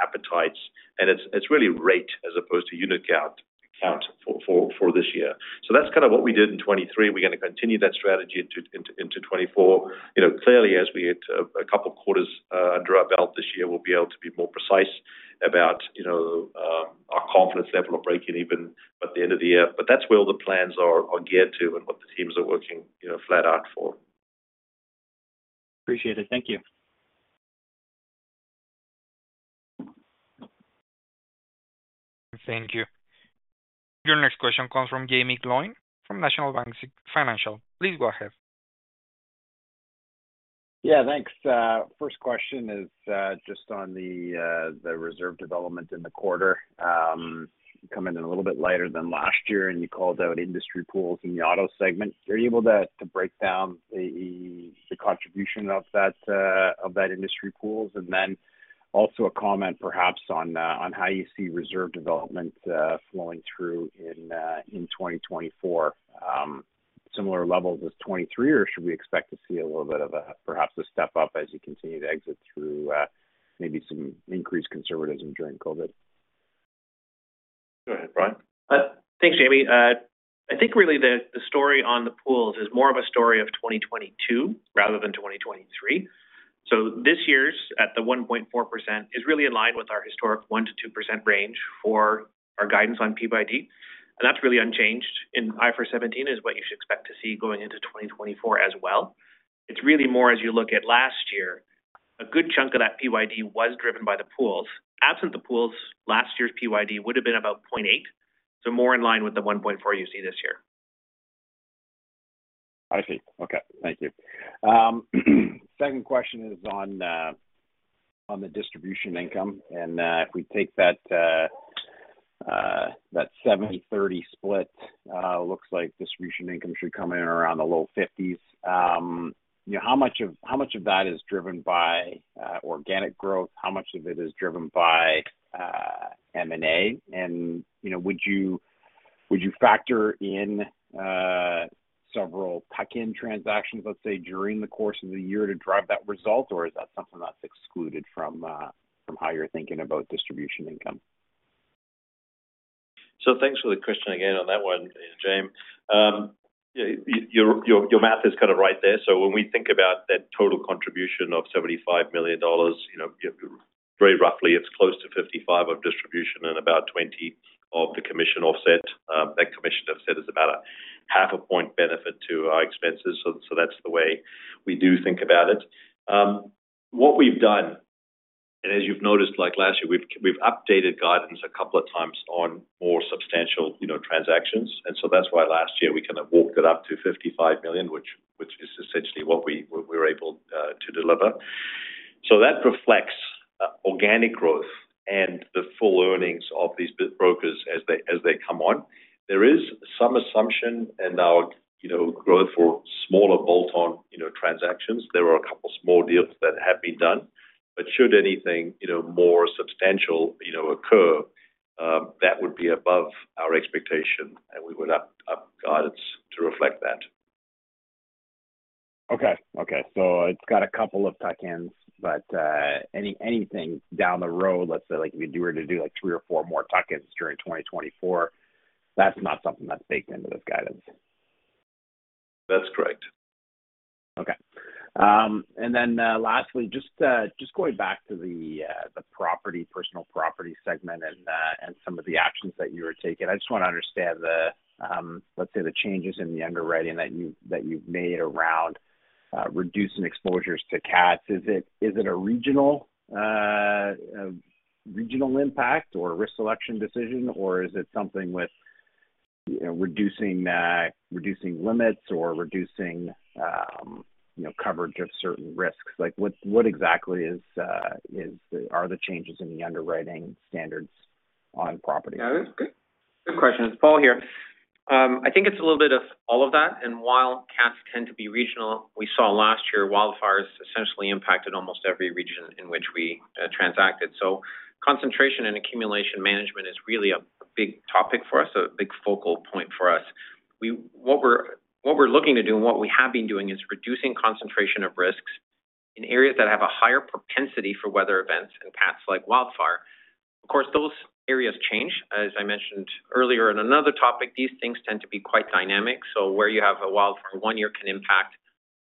Speaker 3: appetites. And it's really rate as opposed to unit count for this year. So that's kind of what we did in 2023. We're going to continue that strategy into 2024. Clearly, as we hit a couple of quarters under our belt this year, we'll be able to be more precise about our confidence level of breaking even by the end of the year. But that's where all the plans are geared to and what the teams are working flat out for.
Speaker 8: Appreciate it. Thank you.
Speaker 1: Thank you. Your next question comes from Jaeme Gloyn from National Bank Financial. Please go ahead.
Speaker 10: Yeah, thanks. First question is just on the reserve development in the quarter. You come in a little bit lighter than last year. And you called out industry pools in the auto segment. Are you able to break down the contribution of that industry pools? And then also a comment, perhaps, on how you see reserve development flowing through in 2024, similar levels as 2023, or should we expect to see a little bit of a perhaps a step up as you continue to exit through maybe some increased conservatism during COVID?
Speaker 3: Go ahead, Bryan.
Speaker 7: Thanks, Jaeme. I think really the story on the pools is more of a story of 2022 rather than 2023. So this year's at the 1.4% is really in line with our historic 1%-2% range for our guidance on PYD. And that's really unchanged. And IFRS 17 is what you should expect to see going into 2024 as well. It's really more as you look at last year, a good chunk of that PYD was driven by the pools. Absent the pools, last year's PYD would have been about 0.8%. So more in line with the 1.4% you see this year.
Speaker 10: I see. Okay. Thank you. Second question is on the distribution income. If we take that 70/30 split, it looks like distribution income should come in around the low-50s. How much of that is driven by organic growth? How much of it is driven by M&A? Would you factor in several tuck-in transactions, let's say, during the course of the year to drive that result? Or is that something that's excluded from how you're thinking about distribution income?
Speaker 3: So thanks for the question again on that one, Jaeme. Your math is kind of right there. So when we think about that total contribution of 75 million dollars, very roughly, it's close to 55 million of distribution and about 20 million of the commission offset. That commission offset is about a half a point benefit to our expenses. So that's the way we do think about it. What we've done, and as you've noticed last year, we've updated guidance a couple of times on more substantial transactions. And so that's why last year, we kind of walked it up to 55 million, which is essentially what we were able to deliver. So that reflects organic growth and the full earnings of these brokers as they come on. There is some assumption in our growth for smaller bolt-on transactions. There are a couple of small deals that have been done. Should anything more substantial occur, that would be above our expectation. We would up guidance to reflect that.
Speaker 10: Okay. Okay. So it's got a couple of tuck-ins. But anything down the road, let's say if you were to do three or four more tuck-ins during 2024, that's not something that's baked into this guidance.
Speaker 3: That's correct.
Speaker 10: Okay. And then lastly, just going back to the Personal Property segment and some of the actions that you were taking, I just want to understand, let's say, the changes in the underwriting that you've made around reducing exposures to CATs. Is it a regional impact or risk selection decision? Or is it something with reducing limits or reducing coverage of certain risks? What exactly are the changes in the underwriting standards on property?
Speaker 5: Good question. It's Paul here. I think it's a little bit of all of that. While CATs tend to be regional, we saw last year, wildfires essentially impacted almost every region in which we transacted. Concentration and accumulation management is really a big topic for us, a big focal point for us. What we're looking to do and what we have been doing is reducing concentration of risks in areas that have a higher propensity for weather events and CATs like wildfire. Of course, those areas change. As I mentioned earlier in another topic, these things tend to be quite dynamic. Where you have a wildfire one year can impact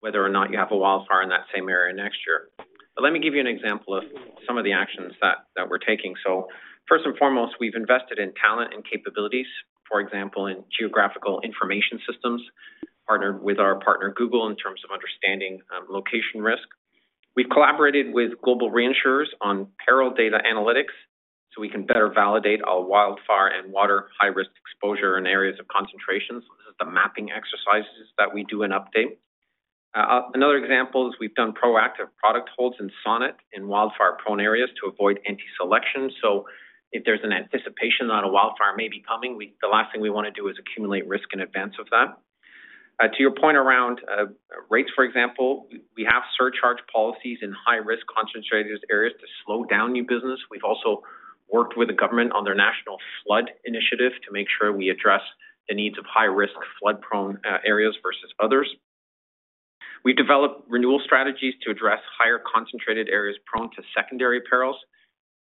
Speaker 5: whether or not you have a wildfire in that same area next year. But let me give you an example of some of the actions that we're taking. So, first and foremost, we've invested in talent and capabilities, for example, in geographical information systems, partnered with our partner, Google, in terms of understanding location risk. We've collaborated with global reinsurers on peril data analytics so we can better validate our wildfire and water high-risk exposure in areas of concentration. So this is the mapping exercises that we do in update. Another example is we've done proactive product holds in Sonnet in wildfire-prone areas to avoid anti-selection. So if there's an anticipation that a wildfire may be coming, the last thing we want to do is accumulate risk in advance of that. To your point around rates, for example, we have surcharge policies in high-risk concentrated areas to slow down new business. We've also worked with the government on their national flood initiative to make sure we address the needs of high-risk flood-prone areas versus others. We've developed renewal strategies to address higher concentrated areas prone to secondary perils.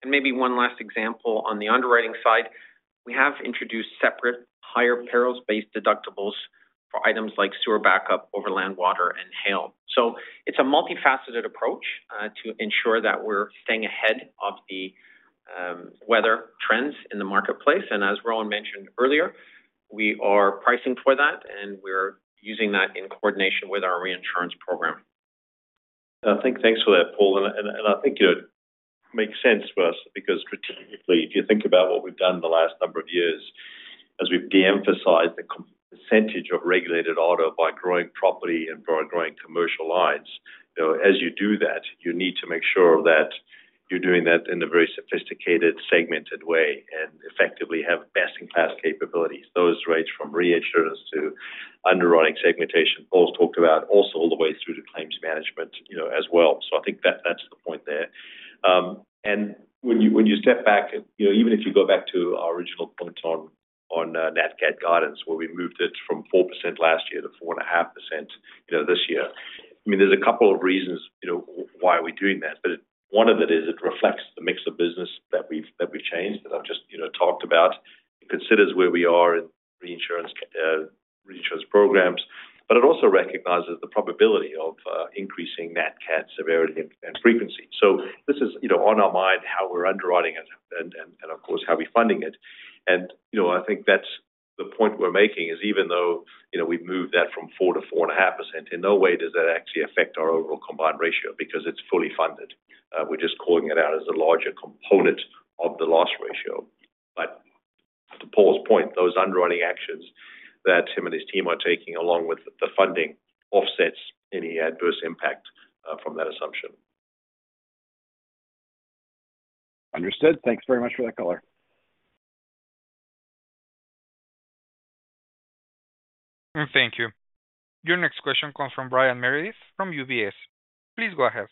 Speaker 5: And maybe one last example on the underwriting side, we have introduced separate higher perils-based deductibles for items like sewer backup, overland water, and hail. So it's a multifaceted approach to ensure that we're staying ahead of the weather trends in the marketplace. And as Rowan Saunders mentioned earlier, we are pricing for that. And we're using that in coordination with our reinsurance program.
Speaker 3: Thanks for that, Paul. And I think it makes sense for us because strategically, if you think about what we've done the last number of years as we've de-emphasized the percentage of regulated auto by growing property and by growing Commercial lines, as you do that, you need to make sure that you're doing that in a very sophisticated, segmented way and effectively have best-in-class capabilities. Those range from reinsurance to underwriting segmentation Paul's talked about also all the way through to claims management as well. So I think that's the point there. And when you step back, even if you go back to our original point on Nat CAT guidance where we moved it from 4% last year to 4.5% this year, I mean, there's a couple of reasons why we're doing that. But one of it is it reflects the mix of business that we've changed that I've just talked about. It considers where we are in reinsurance programs. But it also recognizes the probability of increasing Nat CAT severity and frequency. So this is on our mind, how we're underwriting it, and of course, how we're funding it. And I think that's the point we're making is even though we've moved that from 4%-4.5%, in no way does that actually affect our overall combined ratio because it's fully funded. We're just calling it out as a larger component of the loss ratio. But to Paul's point, those underwriting actions that him and his team are taking along with the funding offsets any adverse impact from that assumption.
Speaker 10: Understood. Thanks very much for that color.
Speaker 1: Thank you. Your next question comes from Brian Meredith from UBS. Please go ahead.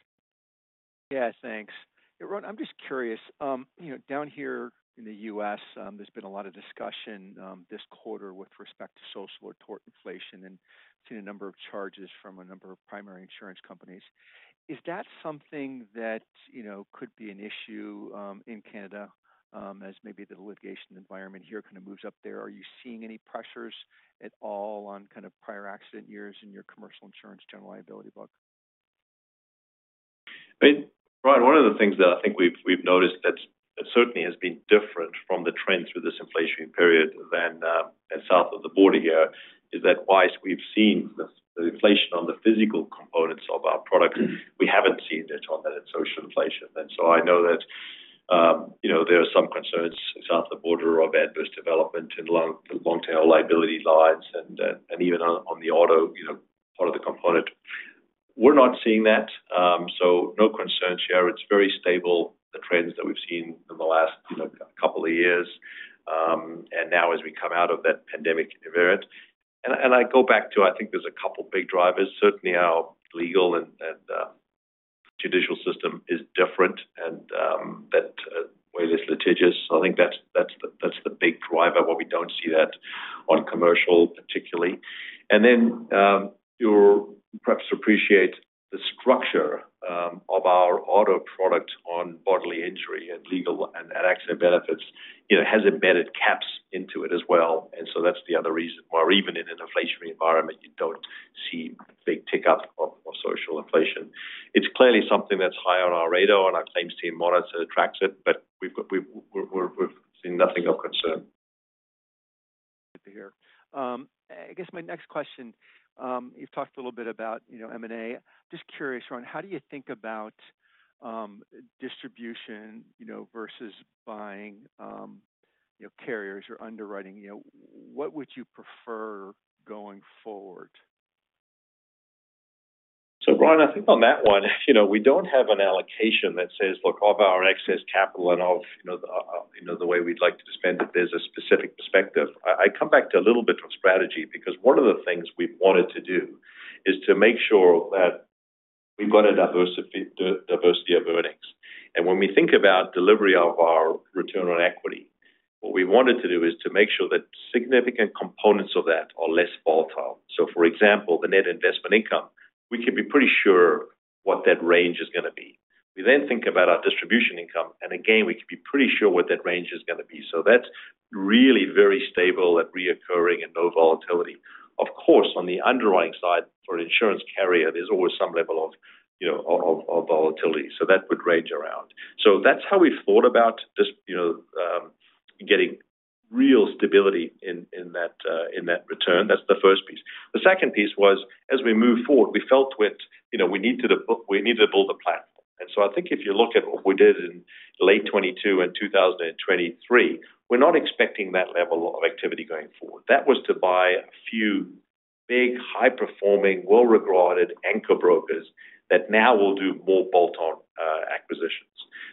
Speaker 11: Yeah, thanks. Rowan, I'm just curious. Down here in the U.S., there's been a lot of discussion this quarter with respect to social or tort inflation. I've seen a number of charges from a number of primary insurance companies. Is that something that could be an issue in Canada as maybe the litigation environment here kind of moves up there? Are you seeing any pressures at all on kind of prior accident years in your Commercial Insurance General Liability book?
Speaker 3: I mean, Brian, one of the things that I think we've noticed that certainly has been different from the trend through this inflationary period than south of the border here is that whilst we've seen the inflation on the physical components of our products, we haven't seen it on that social inflation. And so I know that there are some concerns south of the border of adverse development in the long-tail liability lines and even on the auto part of the component. We're not seeing that. So no concerns here. It's very stable, the trends that we've seen in the last couple of years. And now as we come out of that pandemic event and I go back to I think there's a couple of big drivers. Certainly, our legal and judicial system is different. And that way, it's litigious. So I think that's the big driver, why we don't see that on Commercial, particularly. And then you'll perhaps appreciate the structure of our auto product on bodily injury and legal and accident benefits has embedded caps into it as well. And so that's the other reason why even in an inflationary environment, you don't see a big tick-up of social inflation. It's clearly something that's high on our radar. And our claims team monitors and attracts it. But we've seen nothing of concern.
Speaker 11: Good to hear. I guess my next question, you've talked a little bit about M&A. I'm just curious, Rowan, how do you think about distribution versus buying carriers or underwriting? What would you prefer going forward?
Speaker 3: So Brian, I think on that one, we don't have an allocation that says, "Look, of our excess capital and of the way we'd like to spend it, there's a specific perspective." I come back to a little bit of strategy because one of the things we've wanted to do is to make sure that we've got a diversity of earnings. And when we think about delivery of our return on equity, what we wanted to do is to make sure that significant components of that are less volatile. So for example, the net investment income, we can be pretty sure what that range is going to be. We then think about our distribution income. And again, we can be pretty sure what that range is going to be. So that's really very stable at recurring and no volatility. Of course, on the underwriting side for an insurance carrier, there's always some level of volatility. So that would range around. So that's how we've thought about getting real stability in that return. That's the first piece. The second piece was as we move forward, we felt we needed to build a platform. And so I think if you look at what we did in late 2022 and 2023, we're not expecting that level of activity going forward. That was to buy a few big, high-performing, well-regarded anchor brokers that now will do more bolt-on acquisitions.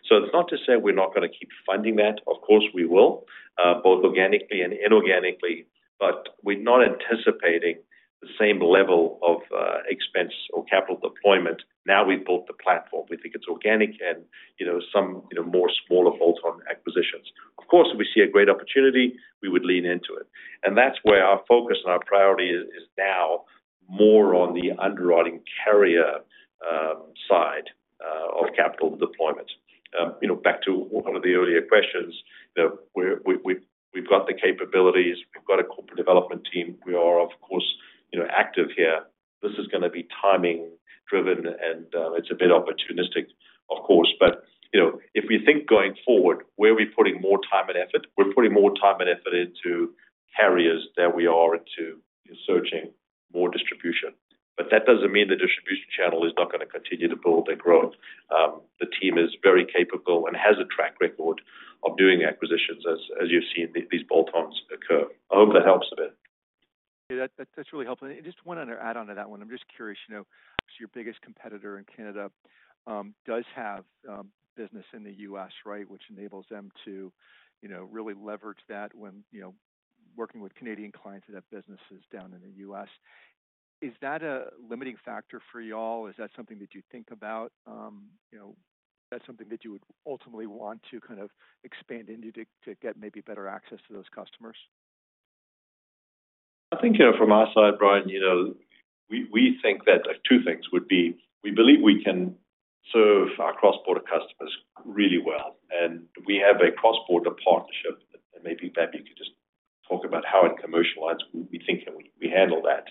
Speaker 3: So it's not to say we're not going to keep funding that. Of course, we will, both organically and inorganically. But we're not anticipating the same level of expense or capital deployment. Now we've built the platform. We think it's organic and some more smaller bolt-on acquisitions. Of course, if we see a great opportunity, we would lean into it. And that's where our focus and our priority is now more on the underwriting carrier side of capital deployment. Back to one of the earlier questions, we've got the capabilities. We've got a corporate development team. We are, of course, active here. This is going to be timing-driven. And it's a bit opportunistic, of course. But if we think going forward, where are we putting more time and effort? We're putting more time and effort into carriers than we are into searching more distribution. But that doesn't mean the distribution channel is not going to continue to build and grow. The team is very capable and has a track record of doing acquisitions as you've seen these bolt-ons occur. I hope that helps a bit.
Speaker 11: Yeah, that's really helpful. Just wanted to add on to that one. I'm just curious. Your biggest competitor in Canada does have business in the U.S., right, which enables them to really leverage that when working with Canadian clients that have businesses down in the U.S. Is that a limiting factor for y'all? Is that something that you think about? Is that something that you would ultimately want to kind of expand into to get maybe better access to those customers?
Speaker 3: I think from our side, Brian, we think that two things would be. We believe we can serve our cross-border customers really well. We have a cross-border partnership. Maybe, Fab, you could just talk about how in Commercial lines we think we handle that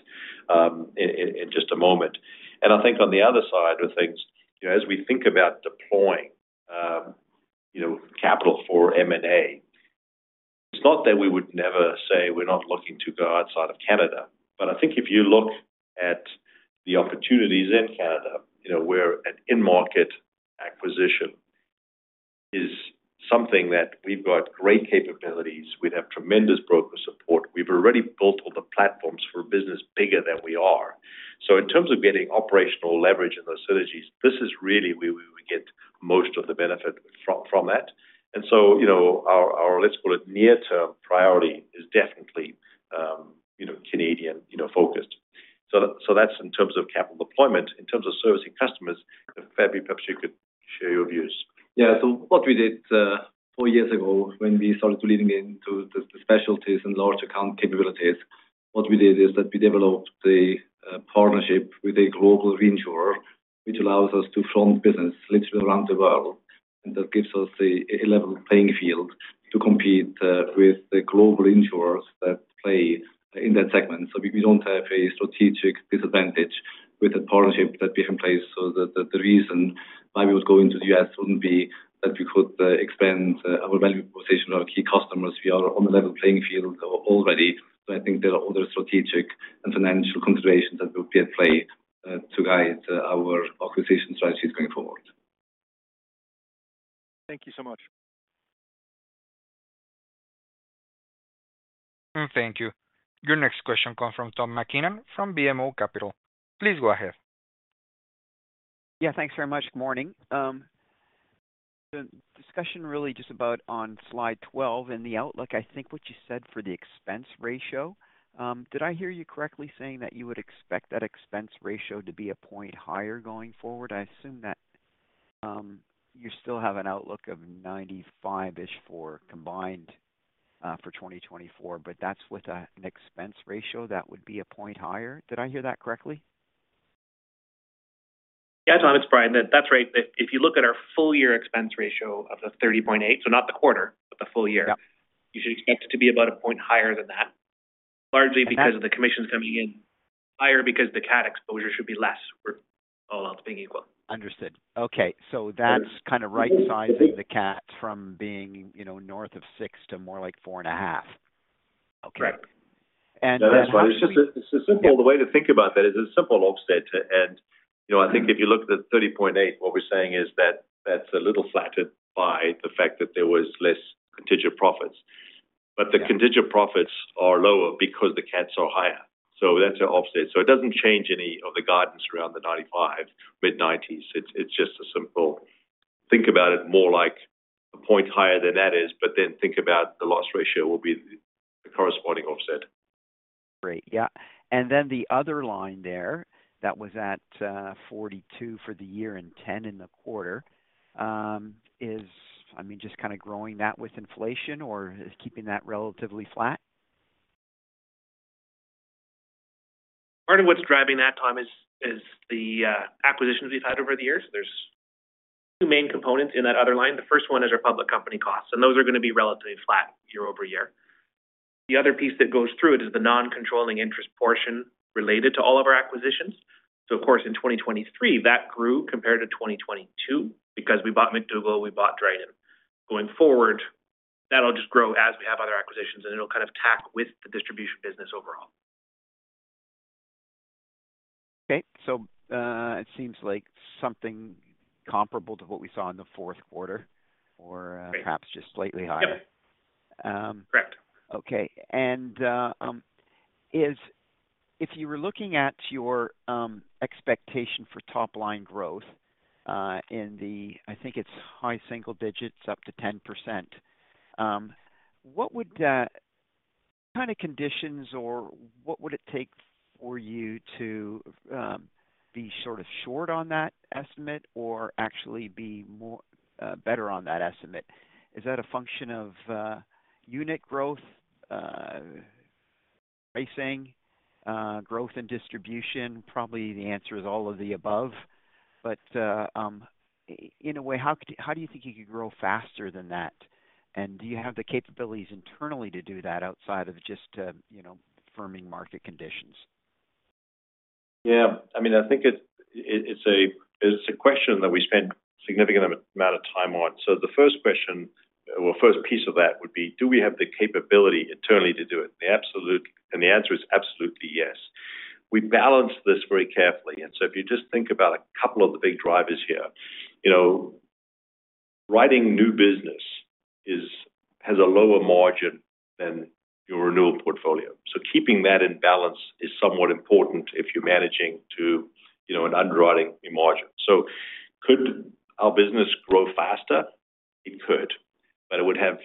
Speaker 3: in just a moment. I think on the other side of things, as we think about deploying capital for M&A, it's not that we would never say we're not looking to go outside of Canada. But I think if you look at the opportunities in Canada, where an in-market acquisition is something that we've got great capabilities. We'd have tremendous broker support. We've already built all the platforms for a business bigger than we are. In terms of getting operational leverage in those synergies, this is really where we would get most of the benefit from that. And so our, let's call it, near-term priority is definitely Canadian-focused. So that's in terms of capital deployment. In terms of servicing customers, Fabian, perhaps you could share your views.
Speaker 9: Yeah. So what we did four years ago when we started leaning into the specialties and large account capabilities, what we did is that we developed a partnership with a global reinsurer, which allows us to front business literally around the world. And that gives us a level playing field to compete with the global insurers that play in that segment. So we don't have a strategic disadvantage with the partnership that we have in place. So the reason why we would go into the U.S. wouldn't be that we could expand our value proposition to our key customers. We are on a level playing field already. So I think there are other strategic and financial considerations that will be at play to guide our acquisition strategies going forward.
Speaker 1: Thank you so much. Thank you. Your next question comes from Tom MacKinnon from BMO Capital. Please go ahead.
Speaker 12: Yeah, thanks very much. Good morning. The discussion really just about on slide 12 in the outlook, I think what you said for the expense ratio, did I hear you correctly saying that you would expect that expense ratio to be 1 point higher going forward? I assume that you still have an outlook of 95%-ish for 2024. But that's with an expense ratio that would be 1 point higher. Did I hear that correctly?
Speaker 7: Yeah, Tom, it's Bryan. That's right. If you look at our full-year expense ratio of 30.8%, so not the quarter, but the full year, you should expect it to be about 1 point higher than that, largely because of the commissions coming in, higher because the CAT exposure should be less, all else being equal.
Speaker 12: Understood. Okay. So that's kind of right-sizing the CAT from being north of 6% to more like 4.5%. Okay.
Speaker 7: Right.
Speaker 3: No, that's fine. It's just a simple way to think about that is it's simple to offset. And I think if you look at the 30.8%, what we're saying is that that's a little flattened by the fact that there was less contingent profits. But the contingent profits are lower because the CATs are higher. So that's an offset. So it doesn't change any of the guidance around the 95%, mid-90s. It's just a simple think about it more like a point higher than that is. But then think about the loss ratio will be the corresponding offset.
Speaker 12: Great. Yeah. And then the other line there that was at 42 million for the year and 10 million in the quarter is, I mean, just kind of growing that with inflation or keeping that relatively flat?
Speaker 7: Part of what's driving that, Tom, is the acquisitions we've had over the years. There's two main components in that other line. The first one is our public company costs. Those are going to be relatively flat year-over-year. The other piece that goes through it is the non-controlling interest portion related to all of our acquisitions. So of course, in 2023, that grew compared to 2022 because we bought McDougall. We bought Drayden. Going forward, that'll just grow as we have other acquisitions. And it'll kind of tack with the distribution business overall.
Speaker 12: Okay. So it seems like something comparable to what we saw in the fourth quarter. Or perhaps just slightly higher.
Speaker 7: Correct.
Speaker 12: Okay. If you were looking at your expectation for top-line growth in the—I think it's high single digits, up to 10%—what kind of conditions or what would it take for you to be sort of short on that estimate or actually be better on that estimate? Is that a function of unit growth, pricing, growth in distribution? Probably the answer is all of the above. But in a way, how do you think you could grow faster than that? And do you have the capabilities internally to do that outside of just firming market conditions?
Speaker 3: Yeah. I mean, I think it's a question that we spent a significant amount of time on. So the first question or first piece of that would be, do we have the capability internally to do it? And the answer is absolutely yes. We balance this very carefully. And so if you just think about a couple of the big drivers here, writing new business has a lower margin than your renewal portfolio. So keeping that in balance is somewhat important if you're managing to an underwriting margin. So could our business grow faster? It could. But it would have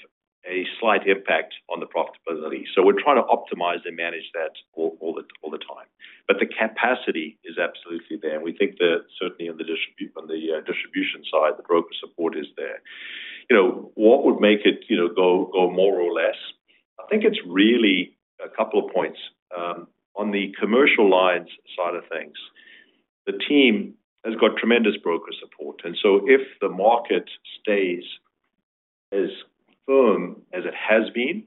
Speaker 3: a slight impact on the profitability. So we're trying to optimize and manage that all the time. But the capacity is absolutely there. And we think that certainly on the distribution side, the broker support is there. What would make it go more or less? I think it's really a couple of points. On the Commercial lines side of things, the team has got tremendous broker support. And so if the market stays as firm as it has been,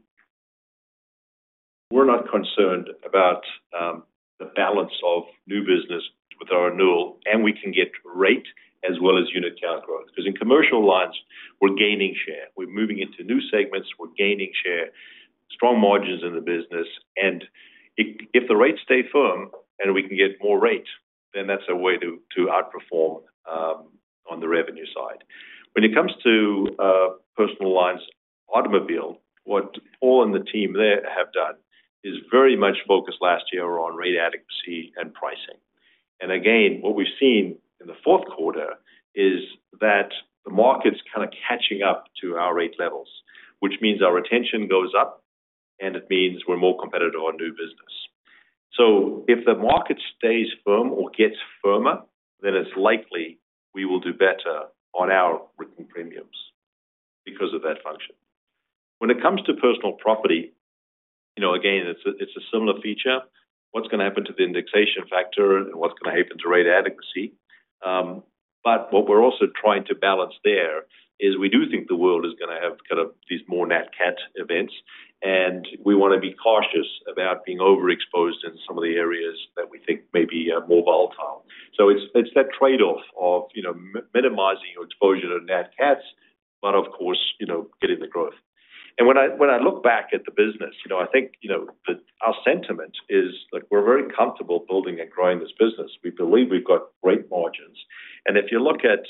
Speaker 3: we're not concerned about the balance of new business with our renewal. And we can get rate as well as unit count growth. Because in commercial lines, we're gaining share. We're moving into new segments. We're gaining share, strong margins in the business. And if the rates stay firm and we can get more rate, then that's a way to outperform on the revenue side. When it comes to personal lines, automobile, what Paul and the team there have done is very much focused last year on rate adequacy and pricing. And again, what we've seen in the fourth quarter is that the market's kind of catching up to our rate levels, which means our retention goes up. And it means we're more competitive on new business. So if the market stays firm or gets firmer, then it's likely we will do better on our written premiums because of that function. When it comes to Personal Property, again, it's a similar feature. What's going to happen to the indexation factor? And what's going to happen to rate adequacy? But what we're also trying to balance there is we do think the world is going to have kind of these more Nat CAT events. And we want to be cautious about being overexposed in some of the areas that we think may be more volatile. So it's that trade-off of minimizing your exposure to Nat CATs, but of course, getting the growth. When I look back at the business, I think that our sentiment is we're very comfortable building and growing this business. We believe we've got great margins. If you look at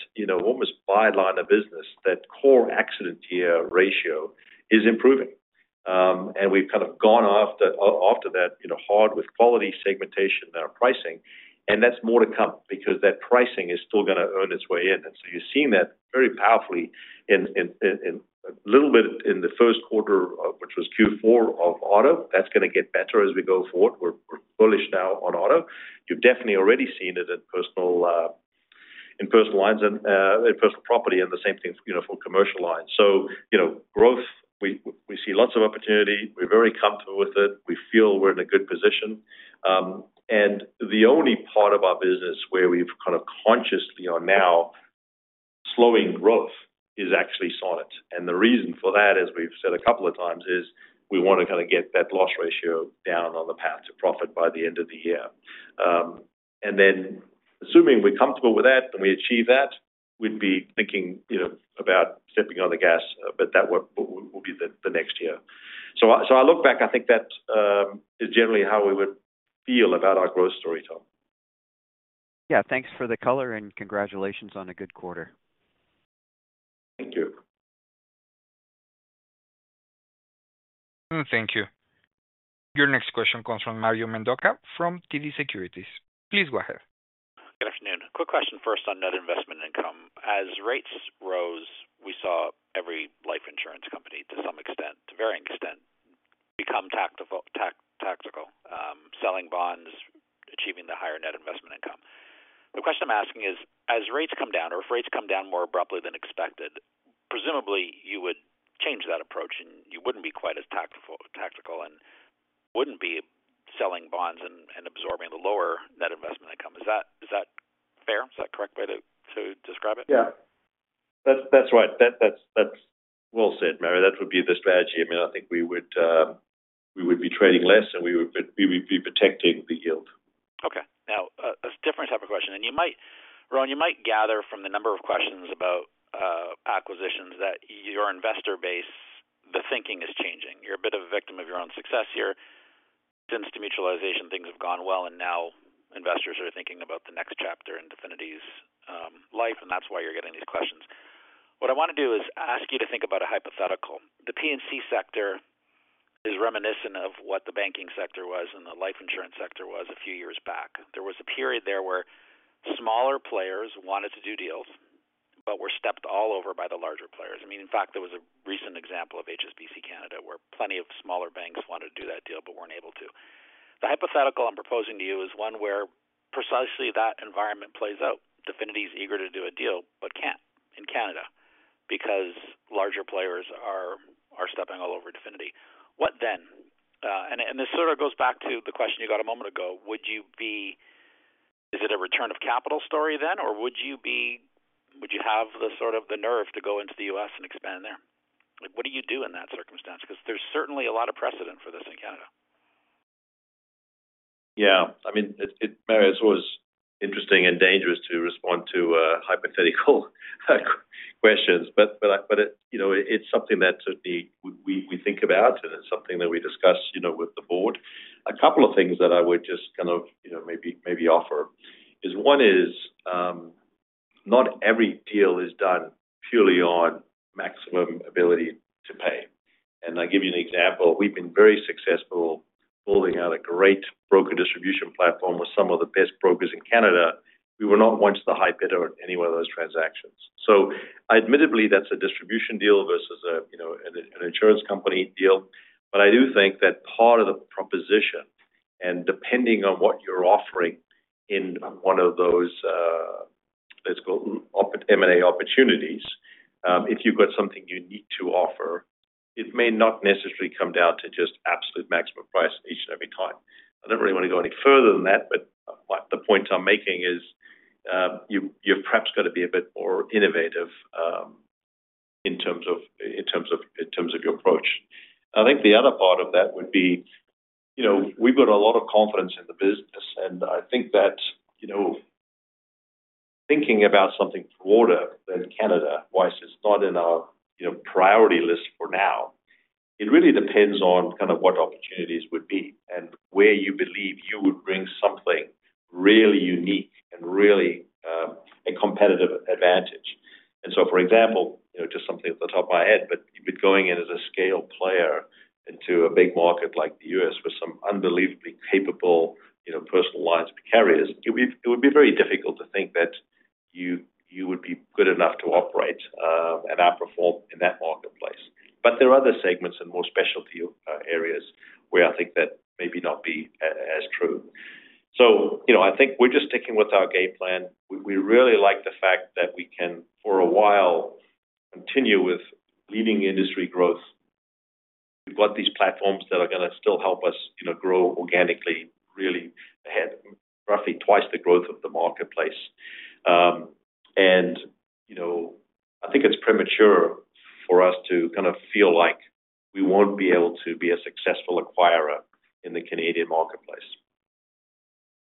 Speaker 3: almost by-line of business, that core accident year ratio is improving. We've kind of gone after that hard with quality segmentation and our pricing. That's moreeee to come because that pricing is still going to earn its way in. So you're seeing that very powerfully a little bit in the first quarter, which was Q4 of auto. That's going to get better as we go forward. We're bullish now on auto. You've definitely already seen it in personal lines and Personal Property. The same thing for commercial lines. So growth, we see lots of opportunity. We're very comfortable with it. We feel we're in a good position. The only part of our business where we've kind of consciously are now slowing growth is actually Sonnet. And the reason for that, as we've said a couple of times, is we want to kind of get that loss ratio down on the path to profit by the end of the year. And then assuming we're comfortable with that and we achieve that, we'd be thinking about stepping on the gas. But that will be the next year. So I look back. I think that is generally how we would feel about our growth story, Tom.
Speaker 12: Yeah. Thanks for the color. Congratulations on a good quarter.
Speaker 3: Thank you.
Speaker 1: Thank you. Your next question comes from Mario Mendonca from TD Securities. Please go ahead.
Speaker 13: Good afternoon. Quick question first on net investment income. As rates rose, we saw every life insurance company, to some extent, to varying extent, become tactical, selling bonds, achieving the higher net investment income. The question I'm asking is, as rates come down or if rates come down more abruptly than expected, presumably, you would change that approach. You wouldn't be quite as tactical and wouldn't be selling bonds and absorbing the lower net investment income. Is that fair? Is that correct way to describe it?
Speaker 3: Yeah. That's right. That's well said, Mario. That would be the strategy. I mean, I think we would be trading less. We would be protecting the yield.
Speaker 13: Okay. Now, a different type of question. And Rowan, you might gather from the number of questions about acquisitions that your investor base, the thinking is changing. You're a bit of a victim of your own success here. Since the demutualization, things have gone well. And now, investors are thinking about the next chapter in Definity's life. And that's why you're getting these questions. What I want to do is ask you to think about a hypothetical. The P&C sector is reminiscent of what the banking sector was and the life insurance sector was a few years back. There was a period there where smaller players wanted to do deals but were stepped all over by the larger players. I mean, in fact, there was a recent example of HSBC Canada where plenty of smaller banks wanted to do that deal but weren't able to. The hypothetical I'm proposing to you is one where precisely that environment plays out. Definity's eager to do a deal but can't in Canada because larger players are stepping all over Definity. What then? And this sort of goes back to the question you got a moment ago. Is it a return of capital story then? Or would you have the sort of the nerve to go into the U.S. and expand there? What do you do in that circumstance? Because there's certainly a lot of precedent for this in Canada.
Speaker 3: Yeah. I mean, Mario, it's always interesting and dangerous to respond to hypothetical questions. But it's something that certainly we think about. And it's something that we discuss with the board. A couple of things that I would just kind of maybe offer is one is not every deal is done purely on maximum ability to pay. And I'll give you an example. We've been very successful building out a great broker distribution platform with some of the best brokers in Canada. We were not once the high bidder on any one of those transactions. So admittedly, that's a distribution deal versus an insurance company deal. But I do think that part of the proposition and depending on what you're offering in one of those, let's call it, M&A opportunities, if you've got something unique to offer, it may not necessarily come down to just absolute maximum price each and every time. I don't really want to go any further than that. But the point I'm making is you've perhaps got to be a bit more innovative in terms of your approach. I think the other part of that would be we've got a lot of confidence in the business. And I think that thinking about something broader than Canada, why it's not in our priority list for now, it really depends on kind of what opportunities would be and where you believe you would bring something really unique and really a competitive advantage. So for example, just something off the top of my head, but you've been going in as a scale player into a big market like the U.S. with some unbelievably capable personal lines carriers, it would be very difficult to think that you would be good enough to operate and outperform in that marketplace. But there are other segments and more specialty areas where I think that maybe not be as true. So I think we're just sticking with our game plan. We really like the fact that we can, for a while, continue with leading industry growth. We've got these platforms that are going to still help us grow organically really ahead, roughly twice the growth of the marketplace. And I think it's premature for us to kind of feel like we won't be able to be a successful acquirer in the Canadian marketplace.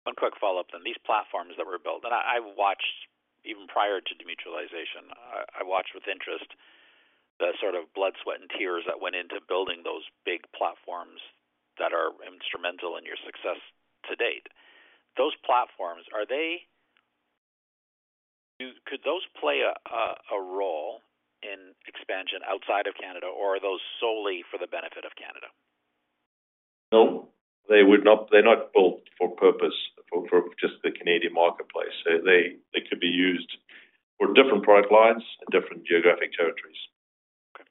Speaker 13: One quick follow-up then. These platforms that were built and I watched even prior to demutualization, I watched with interest the sort of blood, sweat, and tears that went into building those big platforms that are instrumental in your success to date. Those platforms, could those play a role in expansion outside of Canada? Or are those solely for the benefit of Canada?
Speaker 3: No. They're not built for purpose, for just the Canadian marketplace. They could be used for different product lines and different geographic territories.
Speaker 13: Okay.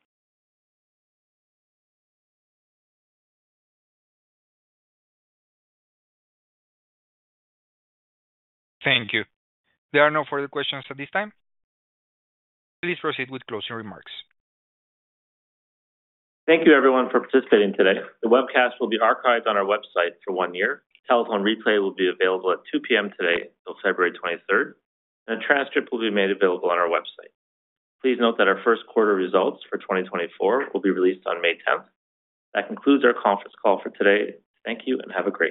Speaker 1: Thank you. There are no further questions at this time. Please proceed with closing remarks.
Speaker 2: Thank you, everyone, for participating today. The webcast will be archived on our website for one year. Telephone replay will be available at 2:00 P.M. today till February 23rd. A transcript will be made available on our website. Please note that our first quarter results for 2024 will be released on May 10th. That concludes our conference call for today. Thank you. Have a great one.